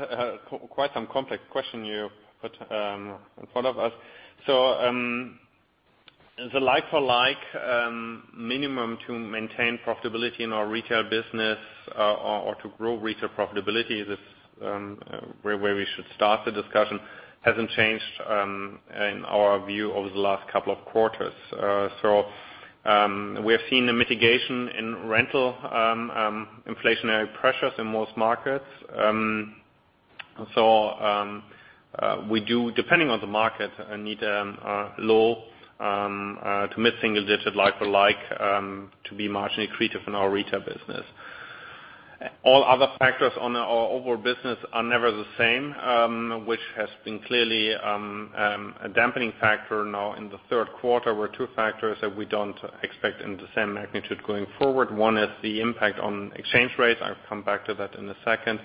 Quite some complex question you put in front of us. The like-for-like minimum to maintain profitability in our retail business or to grow retail profitability is where we should start the discussion, hasn't changed in our view over the last couple of quarters. We have seen a mitigation in rental inflationary pressures in most markets. We do, depending on the market, need a low to mid-single digit like-for-like to be marginally accretive in our retail business. All other factors on our overall business are never the same, which has been clearly a dampening factor now in the third quarter, were two factors that we don't expect in the same magnitude going forward. One is the impact on exchange rates. I'll come back to that in a second.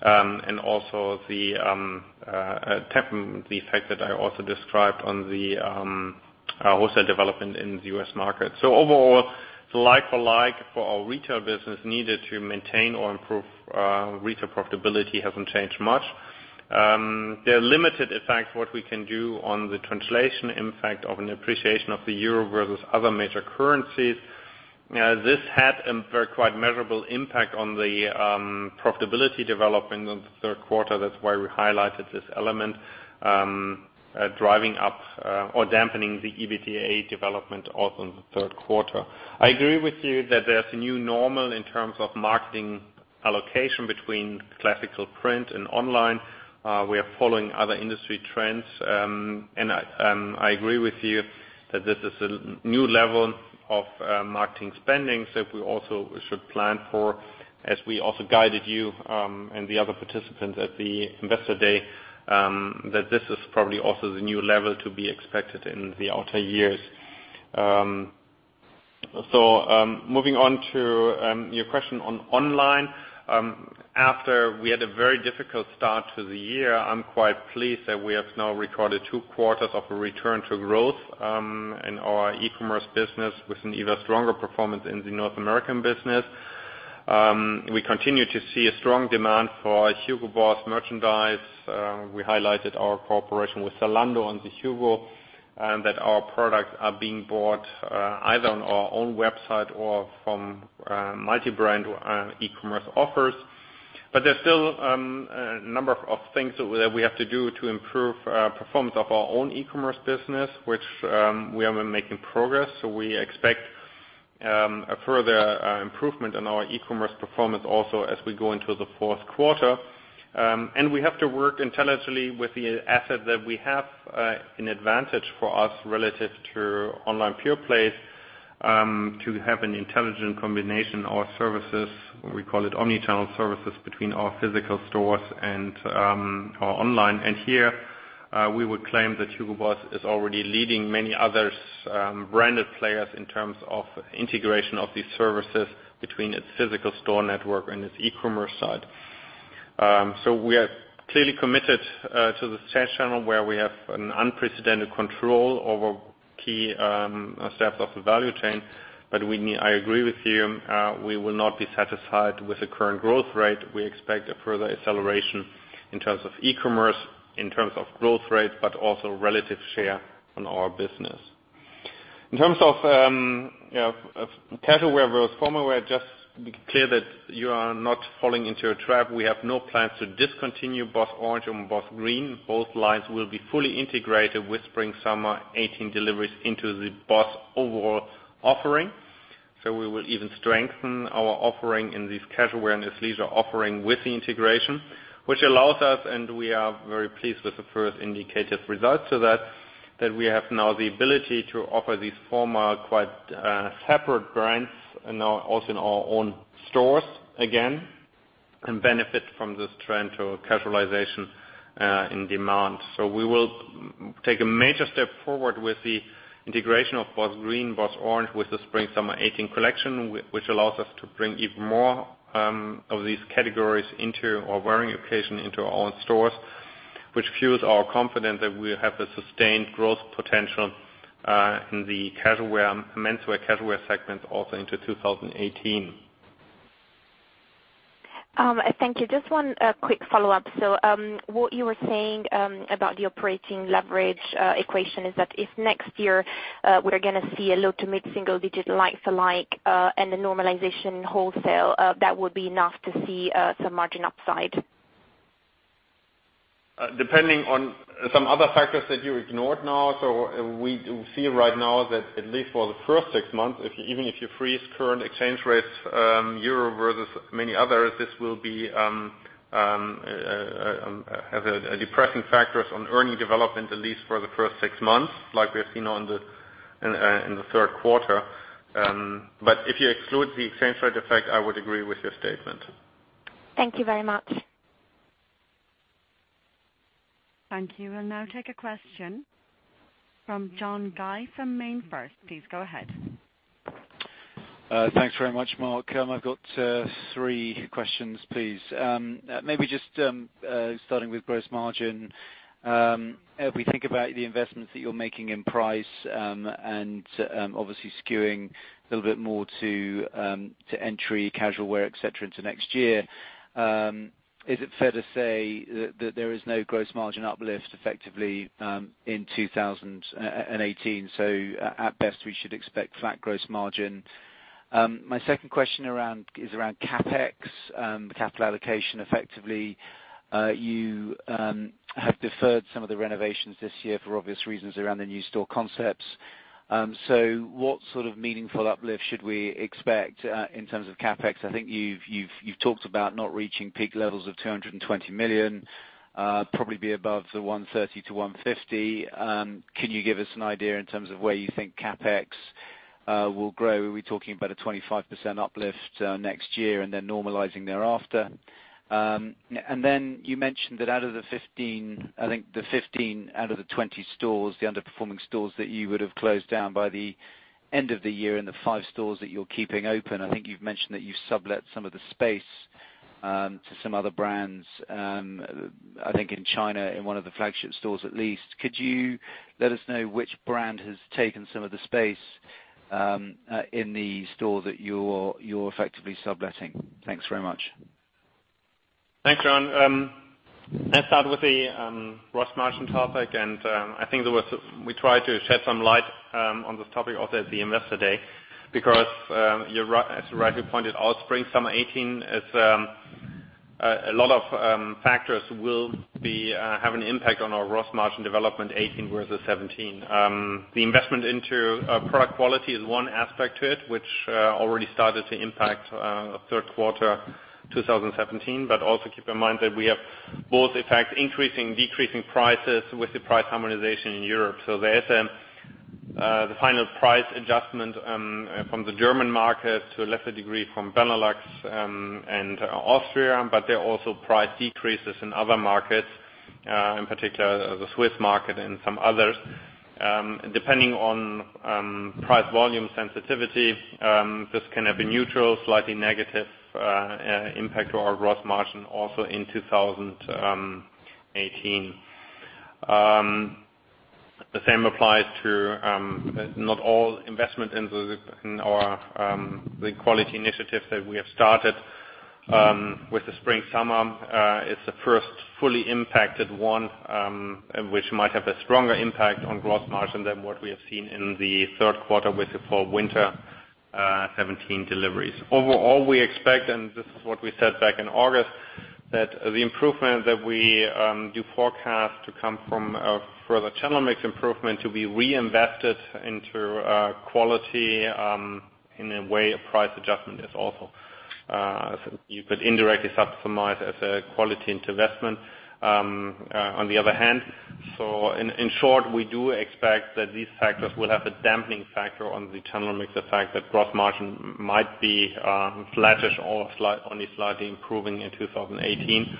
The timing effect that I also described on the wholesale development in the U.S. market. Overall, the like-for-like for our retail business needed to maintain or improve retail profitability hasn't changed much. There are limited effects what we can do on the translation impact of an appreciation of the EUR versus other major currencies. This had a quite measurable impact on the profitability development of the third quarter. That's why we highlighted this element, driving up or dampening the EBITDA development also in the third quarter. I agree with you that there's a new normal in terms of marketing allocation between classical print and online. We are following other industry trends. I agree with you that this is a new level of marketing spending, we also should plan for, as we also guided you and the other participants at the Investor Day, that this is probably also the new level to be expected in the outer years. Moving on to your question on online. After we had a very difficult start to the year, I'm quite pleased that we have now recorded two quarters of a return to growth in our e-commerce business with an even stronger performance in the North American business. We continue to see a strong demand for Hugo Boss merchandise. We highlighted our cooperation with Zalando on the Hugo And that our products are being bought either on our own website or from multi-brand e-commerce offers. There's still a number of things that we have to do to improve performance of our own e-commerce business, which we have been making progress. We expect a further improvement in our e-commerce performance also as we go into the fourth quarter. We have to work intelligently with the asset that we have an advantage for us relative to online pure plays, to have an intelligent combination of services, we call it omni-channel services, between our physical stores and our online. Here, we would claim that Hugo Boss is already leading many others branded players in terms of integration of these services between its physical store network and its e-commerce side. We are clearly committed to the sales channel where we have an unprecedented control over key steps of the value chain. I agree with you, we will not be satisfied with the current growth rate. We expect a further acceleration in terms of e-commerce, in terms of growth rate, but also relative share on our business. In terms of casual wear versus formal wear, just to be clear that you are not falling into a trap. We have no plans to discontinue BOSS Orange and BOSS Green. Both lines will be fully integrated with spring/summer 2018 deliveries into the BOSS overall offering. We will even strengthen our offering in these casual wear and athleisure offering with the integration, which allows us, and we are very pleased with the first indicated results, so that we have now the ability to offer these former quite separate brands now also in our own stores again, and benefit from this trend to casualization in demand. We will take a major step forward with the integration of BOSS Green, BOSS Orange with the spring/summer 2018 collection, which allows us to bring even more of these categories into our wearing occasion into our own stores, which fuels our confidence that we have the sustained growth potential in the menswear casual wear segment also into 2018. Thank you. Just one quick follow-up. What you were saying about the operating leverage equation is that if next year we're going to see a low to mid single digit like for like and a normalization wholesale that would be enough to see some margin upside? Depending on some other factors that you ignored now. We see right now that at least for the first six months, even if you freeze current exchange rates Euro versus many others, this will have depressing factors on earning development at least for the first six months, like we have seen in the third quarter. If you exclude the exchange rate effect, I would agree with your statement. Thank you very much. Thank you. We will now take a question from John Guy from MainFirst. Please go ahead. Thanks very much, Mark. I have got three questions, please. Maybe just starting with gross margin. If we think about the investments that you are making in price and obviously skewing a little bit more to entry casual wear, et cetera, into next year, is it fair to say that there is no gross margin uplift effectively in 2018? At best, we should expect flat gross margin. My second question is around CapEx, the capital allocation. Effectively, you have deferred some of the renovations this year for obvious reasons around the new store concepts. What sort of meaningful uplift should we expect in terms of CapEx? I think you have talked about not reaching peak levels of 220 million, probably be above the 130-150. Can you give us an idea in terms of where you think CapEx will grow? Are we talking about a 25% uplift next year and then normalizing thereafter? You mentioned that out of the 15 out of the 20 stores, the underperforming stores that you would have closed down by the end of the year and the five stores that you are keeping open. I think you have mentioned that you have sublet some of the space to some other brands, I think in China, in one of the flagship stores, at least. Could you let us know which brand has taken some of the space in the store that you are effectively subletting? Thanks very much. Thanks, John. Let us start with the gross margin topic. I think we tried to shed some light on this topic also at the investor day. As you rightly pointed, our spring/summer '18, a lot of factors will have an impact on our gross margin development '18 versus '17. The investment into product quality is one aspect to it, which already started to impact third quarter 2017. Also keep in mind that we have both effects, increasing, decreasing prices with the price harmonization in Europe. There is the final price adjustment from the German market to a lesser degree from Benelux and Austria. There are also price decreases in other markets, in particular the Swiss market and some others. Depending on price volume sensitivity, this can have a neutral, slightly negative impact to our gross margin also in 2018. The same applies to not all investment in the quality initiatives that we have started. With the spring/summer, it's the first fully impacted one, which might have a stronger impact on gross margin than what we have seen in the third quarter with the fall/winter 2017 deliveries. Overall, we expect, and this is what we said back in August, that the improvement that we do forecast to come from a further channel mix improvement to be reinvested into quality, in a way, a price adjustment is also. You could indirectly subsume it as a quality investment on the other hand. In short, we do expect that these factors will have a dampening factor on the channel mix, the fact that gross margin might be flattish or only slightly improving in 2018.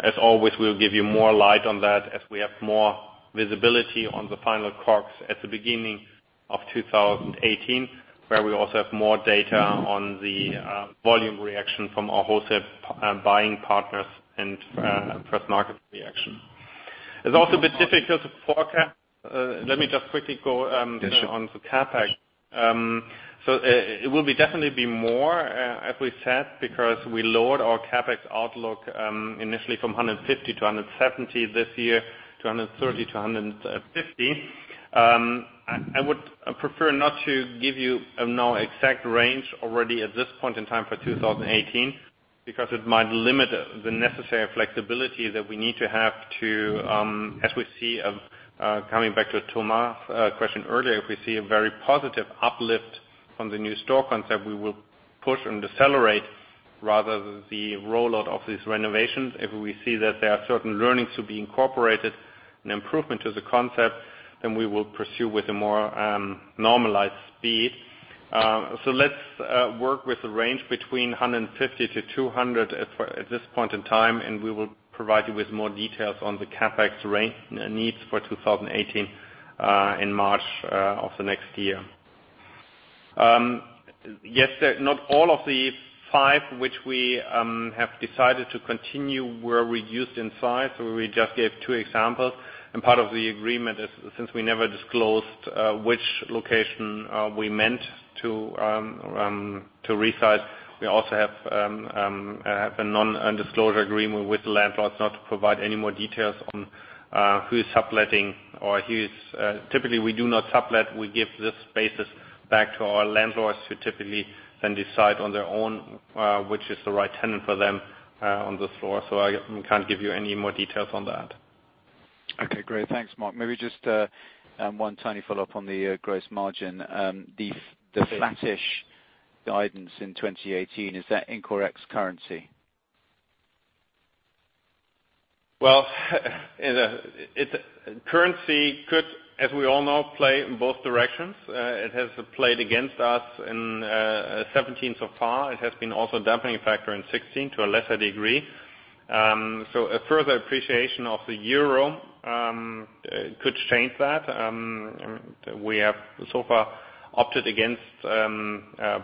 As always, we'll give you more light on that as we have more visibility on the final crops at the beginning of 2018, where we also have more data on the volume reaction from our wholesale buying partners and first market reaction. It's also a bit difficult to forecast. Let me just quickly go- Yeah, sure On the CapEx. It will definitely be more, as we said, because we lowered our CapEx outlook initially from 150-170 this year, to 130-150. I would prefer not to give you now exact range already at this point in time for 2018, because it might limit the necessary flexibility that we need to have to, as we see, coming back to Thomas' question earlier, if we see a very positive uplift on the new store concept, we will push and accelerate rather than the rollout of these renovations. If we see that there are certain learnings to be incorporated and improvement to the concept, then we will pursue with a more normalized speed. Let's work with a range between 150-200 at this point in time, and we will provide you with more details on the CapEx range needs for 2018 in March of the next year. Yes, not all of the five which we have decided to continue were reduced in size. We just gave two examples. Part of the agreement is, since we never disclosed which location we meant to resize, we also have a non-disclosure agreement with the landlords not to provide any more details on who is subletting. Typically, we do not sublet. We give the spaces back to our landlords, who typically then decide on their own which is the right tenant for them on the floor. I can't give you any more details on that. Okay, great. Thanks, Mark. Maybe just one tiny follow-up on the gross margin. The flattish guidance in 2018, is that in correct currency? Well currency could, as we all know, play in both directions. It has played against us in 2017 so far. It has been also a dampening factor in 2016 to a lesser degree. A further appreciation of the euro could change that. We have so far opted against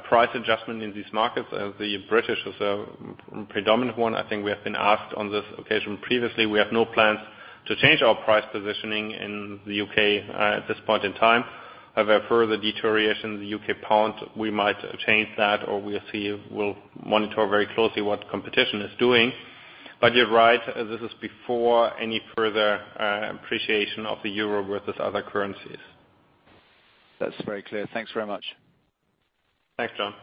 price adjustment in these markets. The British is a predominant one. I think we have been asked on this occasion previously. We have no plans to change our price positioning in the U.K. at this point in time. However, further deterioration in the U.K. pound, we might change that or we'll monitor very closely what competition is doing. You're right, this is before any further appreciation of the euro versus other currencies. That's very clear. Thanks very much. Thanks, John.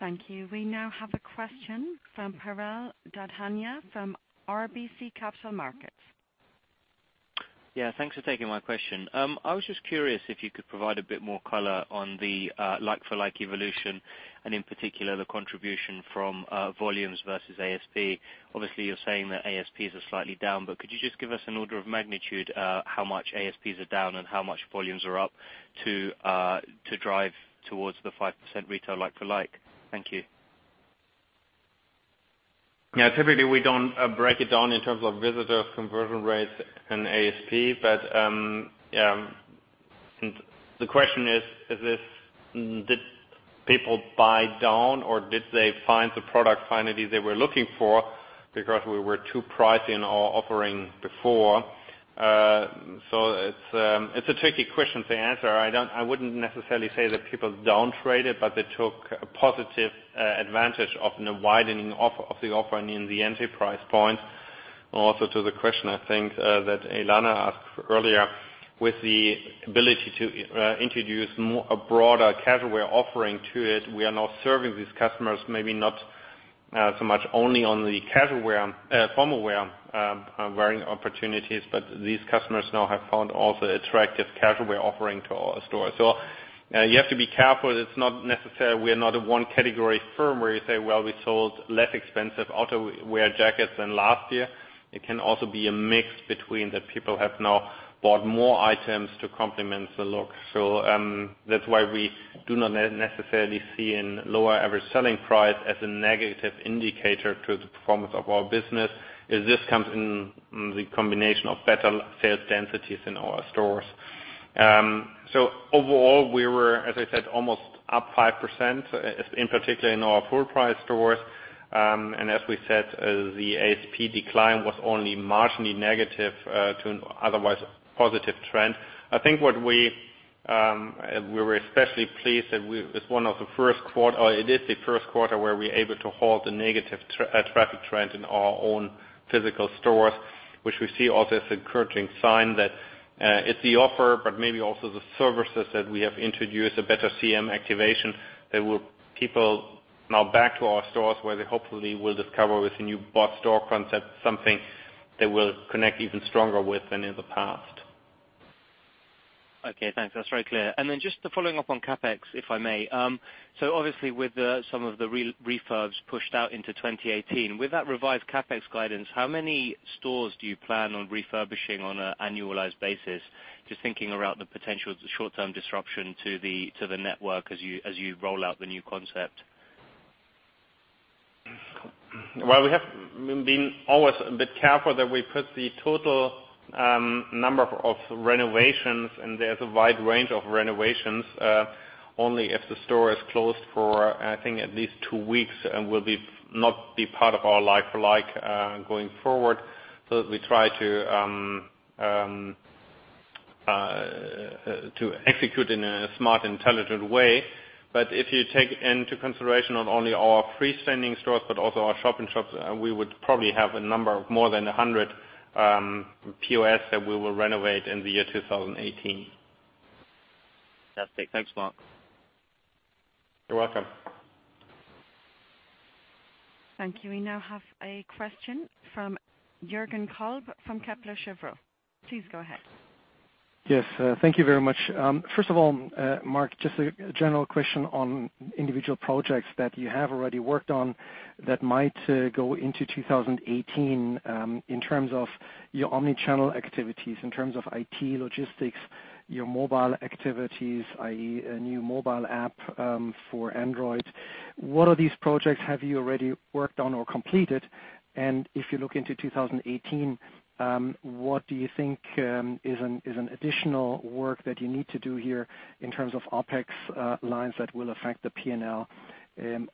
Thank you. We now have a question from Piral Dadhania from RBC Capital Markets. Thanks for taking my question. I was just curious if you could provide a bit more color on the like-for-like evolution and in particular the contribution from volumes versus ASP. Obviously, you're saying that ASPs are slightly down, but could you just give us an order of magnitude, how much ASPs are down and how much volumes are up to drive towards the 5% retail like-for-like? Thank you. Typically, we don't break it down in terms of visitors, conversion rates and ASP. The question is, did people buy down or did they find the product finally they were looking for because we were too pricey in our offering before? It's a tricky question to answer. I wouldn't necessarily say that people downtraded, but they took a positive advantage of the widening of the offering in the entry price point. Also to the question I think, that Elena asked earlier, with the ability to introduce a broader casual wear offering to it, we are now serving these customers maybe not so much only on the formal wear wearing opportunities, but these customers now have found also attractive casual wear offering to our stores. You have to be careful. It's not necessary. We are not a one category firm where you say, "Well, we sold less expensive outerwear jackets than last year." It can also be a mix between that people have now bought more items to complement the look. That's why we do not necessarily see a lower average selling price as a negative indicator to the performance of our business, as this comes in the combination of better sales densities in our stores. Overall, we were, as I said, almost up 5%, in particular in our full price stores. As we said, the ASP decline was only marginally negative to an otherwise positive trend. I think what we were especially pleased that it is the first quarter where we're able to halt the negative traffic trend in our own physical stores, which we see also as encouraging sign that it's the offer, but maybe also the services that we have introduced, a better CRM activation that will people now back to our stores where they hopefully will discover with the new BOSS store concept, something they will connect even stronger with than in the past. Okay, thanks. That's very clear. Just following up on CapEx, if I may. Obviously with some of the refurbs pushed out into 2018, with that revised CapEx guidance, how many stores do you plan on refurbishing on an annualized basis? Just thinking around the potential short-term disruption to the network as you roll out the new concept. Well, we have been always a bit careful that we put the total number of renovations, and there's a wide range of renovations, only if the store is closed for, I think, at least two weeks and will not be part of our like for like going forward. That we try to execute in a smart, intelligent way. If you take into consideration not only our freestanding stores but also our shop in shops, we would probably have a number of more than 100 POS that we will renovate in the year 2018. Fantastic. Thanks, Mark. You're welcome. Thank you. We now have a question from Jürgen Kolb from Kepler Cheuvreux. Please go ahead. Yes, thank you very much. First of all, Mark, just a general question on individual projects that you have already worked on that might go into 2018, in terms of your omni-channel activities, in terms of IT, logistics, your mobile activities, i.e., a new mobile app for Android. What of these projects have you already worked on or completed? If you look into 2018, what do you think is an additional work that you need to do here in terms of OpEx lines that will affect the P&L?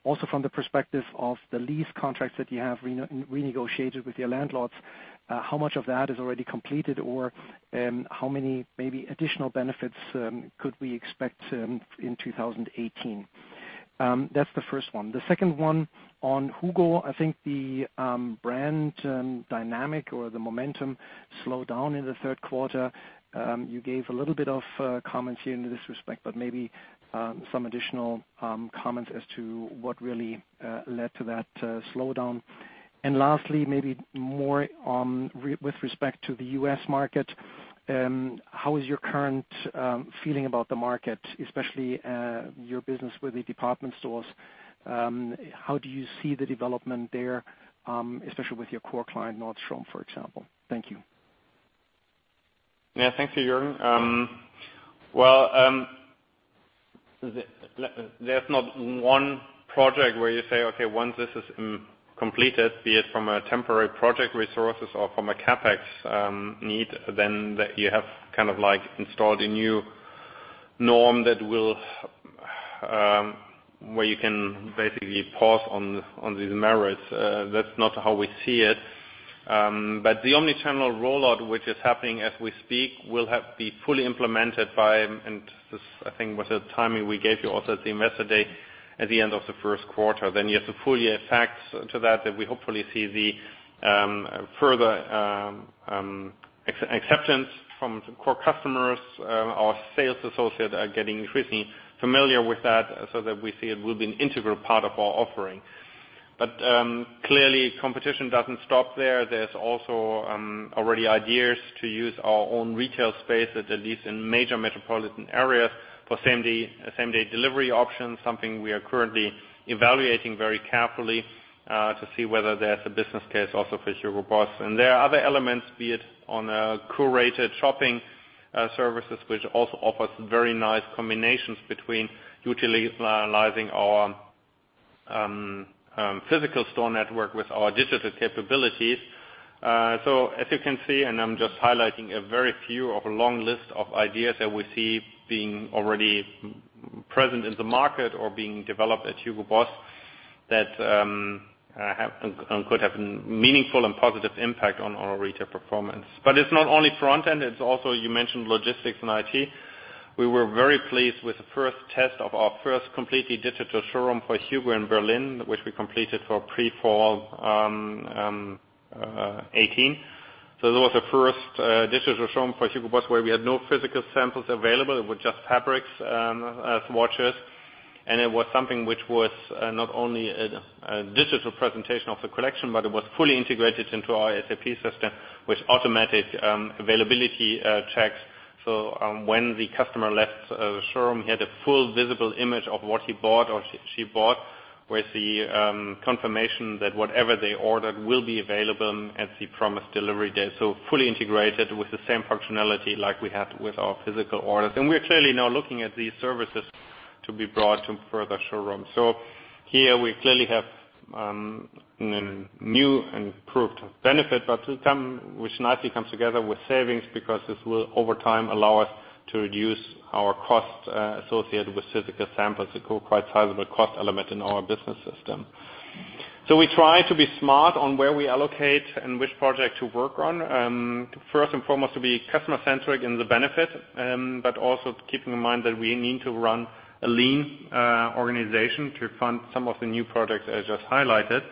Also, from the perspective of the lease contracts that you have renegotiated with your landlords, how much of that is already completed or how many maybe additional benefits could we expect in 2018? That's the first one. The second one on Hugo. I think the brand dynamic or the momentum slowed down in the third quarter. You gave a little bit of comments here in this respect, but maybe some additional comments as to what really led to that slowdown. Lastly, maybe more with respect to the U.S. market, how is your current feeling about the market, especially your business with the department stores? How do you see the development there, especially with your core client, Nordstrom, for example? Thank you. Yeah, thanks, Jürgen. Well, there's not one project where you say, okay, once this is completed, be it from a temporary project resources or from a CapEx need, then you have installed a new norm where you can basically pause on these merits. That's not how we see it. But the omni-channel rollout, which is happening as we speak, will have to be fully implemented by, and this, I think, was the timing we gave you also at the investor day, at the end of the first quarter. Then you have the full year effect to that we hopefully see the further acceptance from core customers. Our sales associates are getting increasingly familiar with that so that we see it will be an integral part of our offering. But clearly, competition doesn't stop there. There's also already ideas to use our own retail space, at least in major metropolitan areas, for same-day delivery options, something we are currently evaluating very carefully, to see whether there's a business case also for Hugo Boss. And there are other elements, be it on a curated shopping services, which also offers very nice combinations between utilizing our physical store network with our digital capabilities. So as you can see, and I'm just highlighting a very few of a long list of ideas that we see being already present in the market or being developed at Hugo Boss that could have meaningful and positive impact on our retail performance. But it's not only front end, it's also, you mentioned logistics and IT. We were very pleased with the first test of our first completely digital showroom for Hugo in Berlin, which we completed for pre-fall 2018. So that was the first digital showroom for Hugo Boss where we had no physical samples available. It was just fabrics, swatches. And it was something which was not only a digital presentation of the collection, but it was fully integrated into our SAP system with automatic availability checks. So when the customer left the showroom, he had a full visible image of what he bought or she bought, with the confirmation that whatever they ordered will be available at the promised delivery date. So fully integrated with the same functionality like we had with our physical orders. And we're clearly now looking at these services to be brought to further showrooms. Here we clearly have new improved benefit, which nicely comes together with savings because this will over time allow us to reduce our costs associated with physical samples, it grew quite sizable cost element in our business system. We try to be smart on where we allocate and which project to work on. First and foremost, to be customer-centric in the benefit, keeping in mind that we need to run a lean organization to fund some of the new products I just highlighted.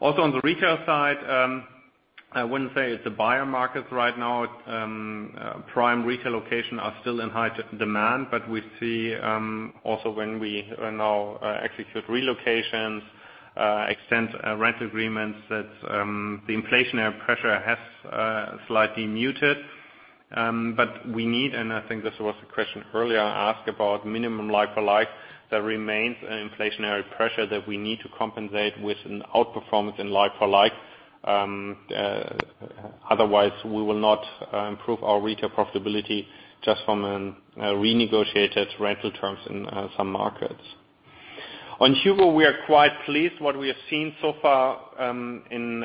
On the retail side, I wouldn't say it's a buyer market right now. Prime retail location are still in high demand, we see, when we now execute relocations, extend rent agreements, that the inflationary pressure has slightly muted. We need, and I think this was the question earlier asked about minimum like for like, that remains an inflationary pressure that we need to compensate with an outperformance in like for like. Otherwise, we will not improve our retail profitability just from a renegotiated rental terms in some markets. On Hugo, we are quite pleased what we have seen so far in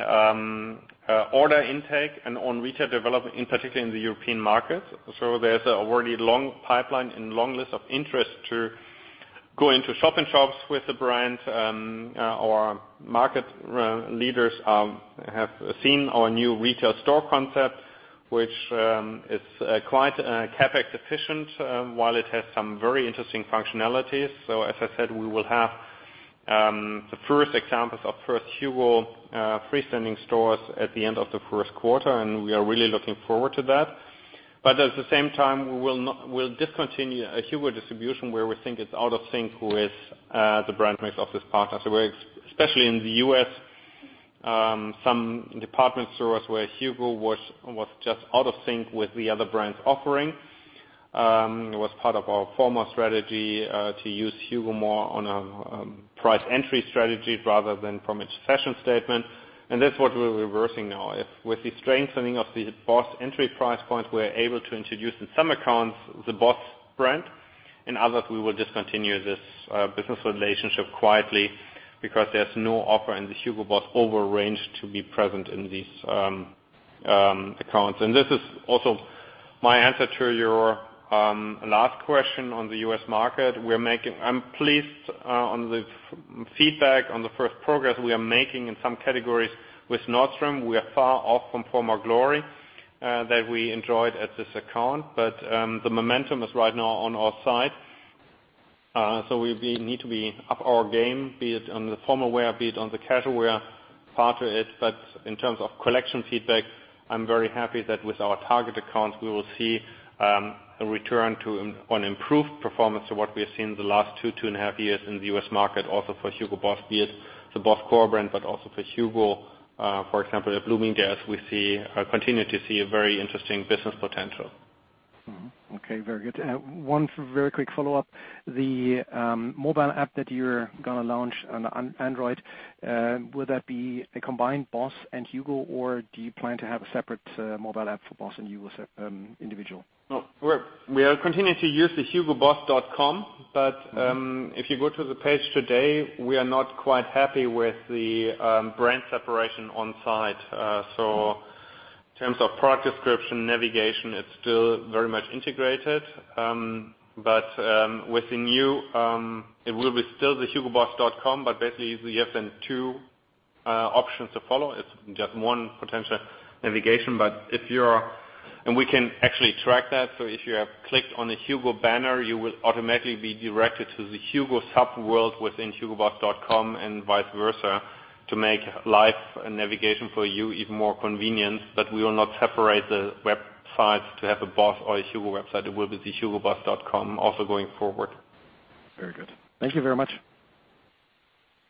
order intake and on retail development, in particular in the European markets. There's already long pipeline and long list of interest to go into shop-in-shops with the brand. Our market leaders have seen our new retail store concept, which is quite CapEx efficient, while it has some very interesting functionalities. As I said, we will have the first examples of first Hugo freestanding stores at the end of the first quarter, and we are really looking forward to that. At the same time, we'll discontinue a Hugo distribution where we think it's out of sync with the brand mix of this partner. Especially in the U.S., some department stores where Hugo was just out of sync with the other brands offering. It was part of our former strategy to use Hugo more on a price entry strategy rather than from a fashion statement. That's what we're reversing now. With the strengthening of the Boss entry price point, we're able to introduce, in some accounts, the Boss brand. In others we will discontinue this business relationship quietly because there's no offer in the Hugo Boss overall range to be present in these accounts. This is also my answer to your last question on the U.S. market. I'm pleased on the feedback on the first progress we are making in some categories with Nordstrom. We are far off from former glory that we enjoyed at this account. The momentum is right now on our side. We need to be up our game, be it on the formal wear, be it on the casual wear part of it. In terms of collection feedback, I'm very happy that with our target accounts, we will see a return to an improved performance to what we have seen in the last 2 and a half years in the U.S. market. For Hugo Boss, be it the Boss core brand, for Hugo. For example, at Bloomingdale's, we continue to see a very interesting business potential. Okay. Very good. One very quick follow-up. The mobile app that you're going to launch on Android, will that be a combined Boss and Hugo, or do you plan to have a separate mobile app for Boss and Hugo individual? No. We are continuing to use the hugoboss.com. If you go to the page today, we are not quite happy with the brand separation on site. In terms of product description, navigation, it's still very much integrated. With the new, it will be still the hugoboss.com, but basically we have then two options to follow. It's just one potential navigation. We can actually track that. If you have clicked on a Hugo banner, you will automatically be directed to the Hugo sub world within hugoboss.com and vice versa to make life and navigation for you even more convenient. We will not separate the websites to have a Boss or a Hugo website. It will be the hugoboss.com also going forward. Very good. Thank you very much.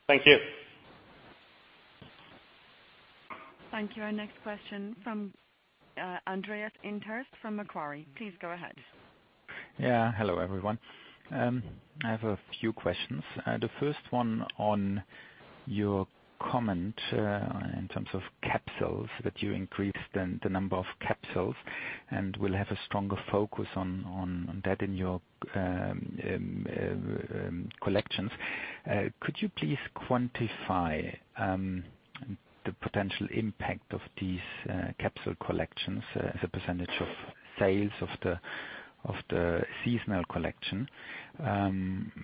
Thank you. Thank you. Our next question from Andreas Inderst from Macquarie. Please go ahead. Yeah. Hello, everyone. I have a few questions. The first one on your comment in terms of capsules, that you increased the number of capsules and will have a stronger focus on that in your collections. Could you please quantify the potential impact of these capsule collections as a percentage of sales of the seasonal collection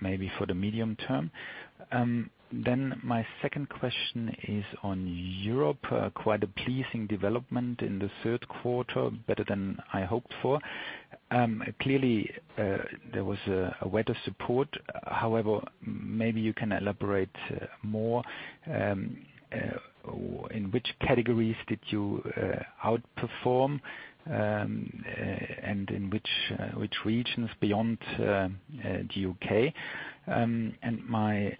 maybe for the medium term? My second question is on Europe. Quite a pleasing development in the third quarter, better than I hoped for. Clearly, there was a weather support. However, maybe you can elaborate more, in which categories did you outperform? In which regions beyond the U.K.? My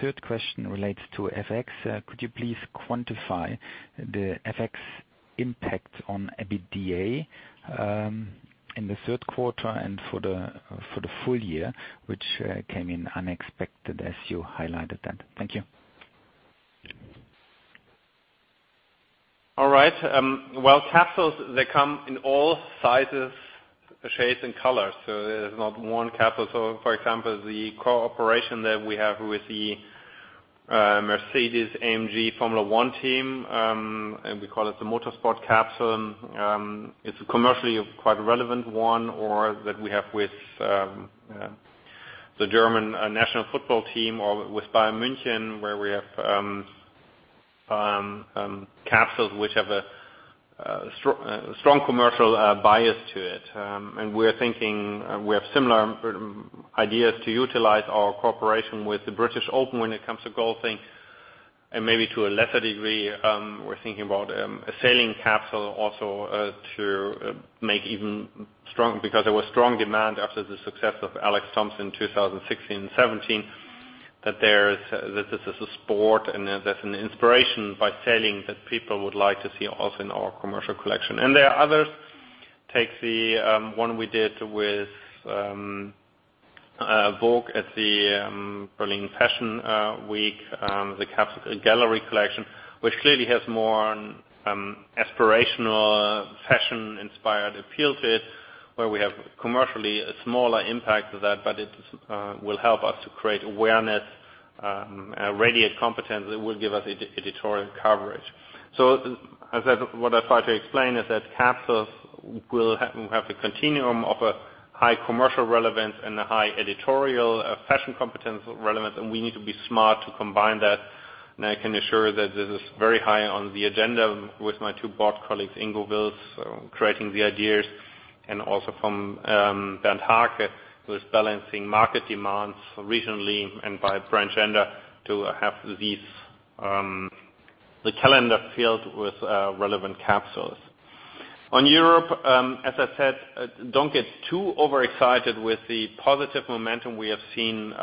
third question relates to FX. Could you please quantify the FX impact on EBITDA in the third quarter and for the full year, which came in unexpected as you highlighted that? Thank you. All right. Well, capsules, they come in all sizes, shapes, and colors. There's not one capsule. For example, the cooperation that we have with the Mercedes-AMG Formula One team, and we call it the Motorsport Capsule. It's a commercially quite relevant one or that we have with the German national football team or with Bayern München, where we have capsules which have a strong commercial bias to it. We're thinking we have similar ideas to utilize our cooperation with the British Open when it comes to golfing. Maybe to a lesser degree, we're thinking about a sailing capsule also to make even. Because there was strong demand after the success of Alex Thomson 2016 and 2017, that this is a sport and that's an inspiration by sailing that people would like to see also in our commercial collection. There are others. Take the one we did with Vogue at the Berlin Fashion Week, the capsule Gallery Collection, which clearly has more aspirational fashion-inspired appeal to it, where we have commercially a smaller impact to that, but it will help us to create awareness, radiate competence. It will give us editorial coverage. As I said, what I try to explain is that capsules will have the continuum of a high commercial relevance and a high editorial fashion competence relevance, and we need to be smart to combine that. I can assure that this is very high on the agenda with my two board colleagues, Ingo Wilts, creating the ideas, and also from Bernd Hake, who is balancing market demands regionally and by branch gender to have the calendar filled with relevant capsules. On Europe, as I said, don't get too overexcited with the positive momentum we have seen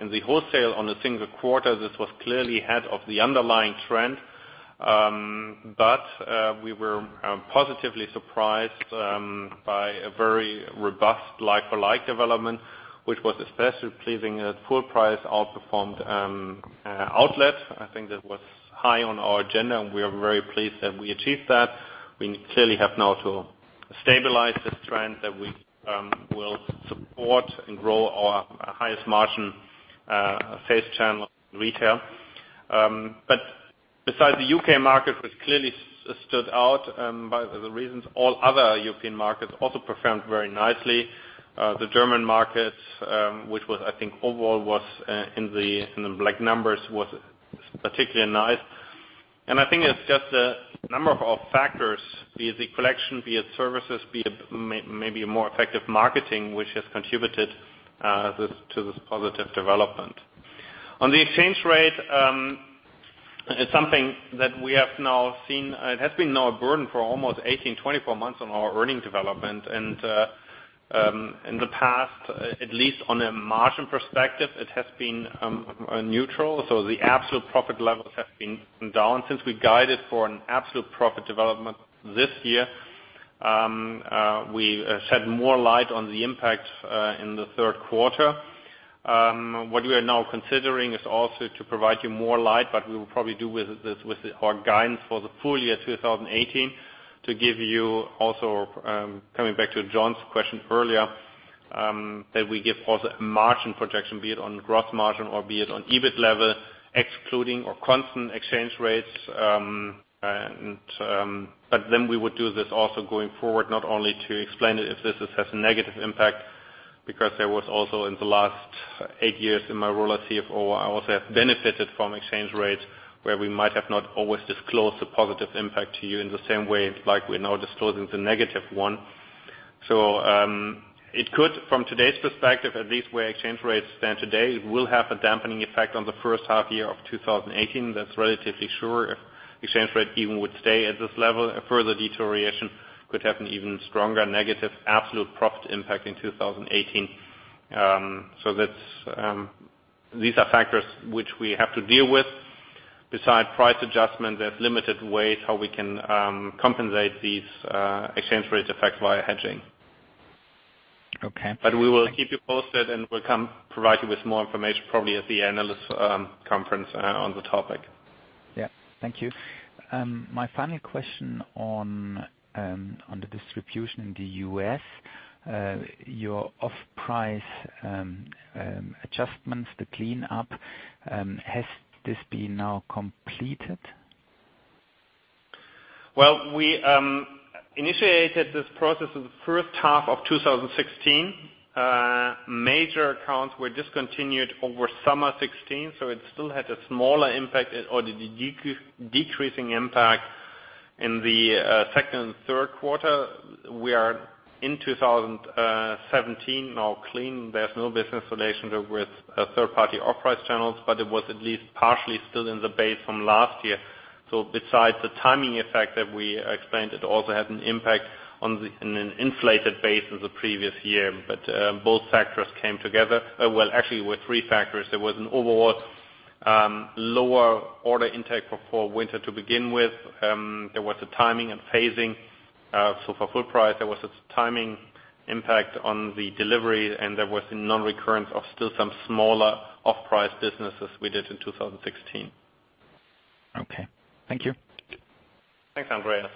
in the wholesale on the single quarter. This was clearly ahead of the underlying trend. We were positively surprised by a very robust like-for-like development, which was especially pleasing at full price outperformed outlet. I think that was high on our agenda, and we are very pleased that we achieved that. We clearly have now to stabilize this trend that we will support and grow our highest margin sales channel in retail. Besides the U.K. market, which clearly stood out by the reasons, all other European markets also performed very nicely. The German market, which was, I think overall was in the black numbers, was particularly nice. I think it's just a number of factors, be it the collection, be it services, be it maybe a more effective marketing, which has contributed to this positive development. On the exchange rate, it's something that we have now seen. It has been now a burden for almost 18, 24 months on our earning development. In the past, at least on a margin perspective, it has been neutral. The absolute profit levels have been down. Since we guided for an absolute profit development this year, we shed more light on the impact in the third quarter. What we are now considering is also to provide you more light. We will probably do with our guidance for the full year 2018 to give you also, coming back to John's question earlier, that we give also a margin projection, be it on gross margin or be it on EBIT level, excluding our constant exchange rates. We would do this also going forward, not only to explain it if this has a negative impact, because there was also in the last eight years in my role as CFO, I also have benefited from exchange rates where we might have not always disclosed the positive impact to you in the same way like we're now disclosing the negative one. It could, from today's perspective, at least where exchange rates stand today, it will have a dampening effect on the first half year of 2018. That's relatively sure. If exchange rate even would stay at this level, a further deterioration could have an even stronger negative absolute profit impact in 2018. These are factors which we have to deal with. Besides price adjustment, there's limited ways how we can compensate these exchange rate effects via hedging. Okay. We will keep you posted, and we'll come provide you with more information probably at the analyst conference on the topic. Yeah. Thank you. My final question on the distribution in the U.S., your off-price adjustments, the cleanup, has this been now completed? Well, we initiated this process in the first half of 2016. Major accounts were discontinued over summer 2016, so it still had a smaller impact or the decreasing impact in the second and third quarter. We are in 2017 now clean. There's no business relationship with third-party off-price channels, but it was at least partially still in the base from last year. Besides the timing effect that we explained, it also had an impact on an inflated base in the previous year. Both factors came together. Well, actually, were three factors. There was an overall lower order intake for fall/winter to begin with. There was the timing and phasing. For full price, there was a timing impact on the delivery, and there was a non-recurrence of still some smaller off-price businesses we did in 2016. Okay. Thank you. Thanks, Andreas.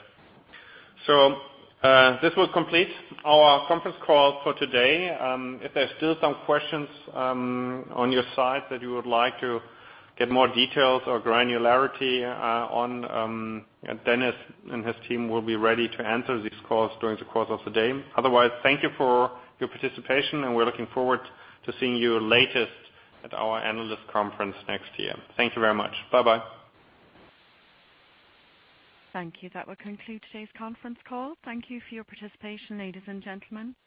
This will complete our conference call for today. If there's still some questions on your side that you would like to get more details or granularity on, Dennis and his team will be ready to answer these calls during the course of the day. Otherwise, thank you for your participation, and we're looking forward to seeing you latest at our analyst conference next year. Thank you very much. Bye-bye. Thank you. That will conclude today's conference call. Thank you for your participation, ladies and gentlemen. You may disconnect.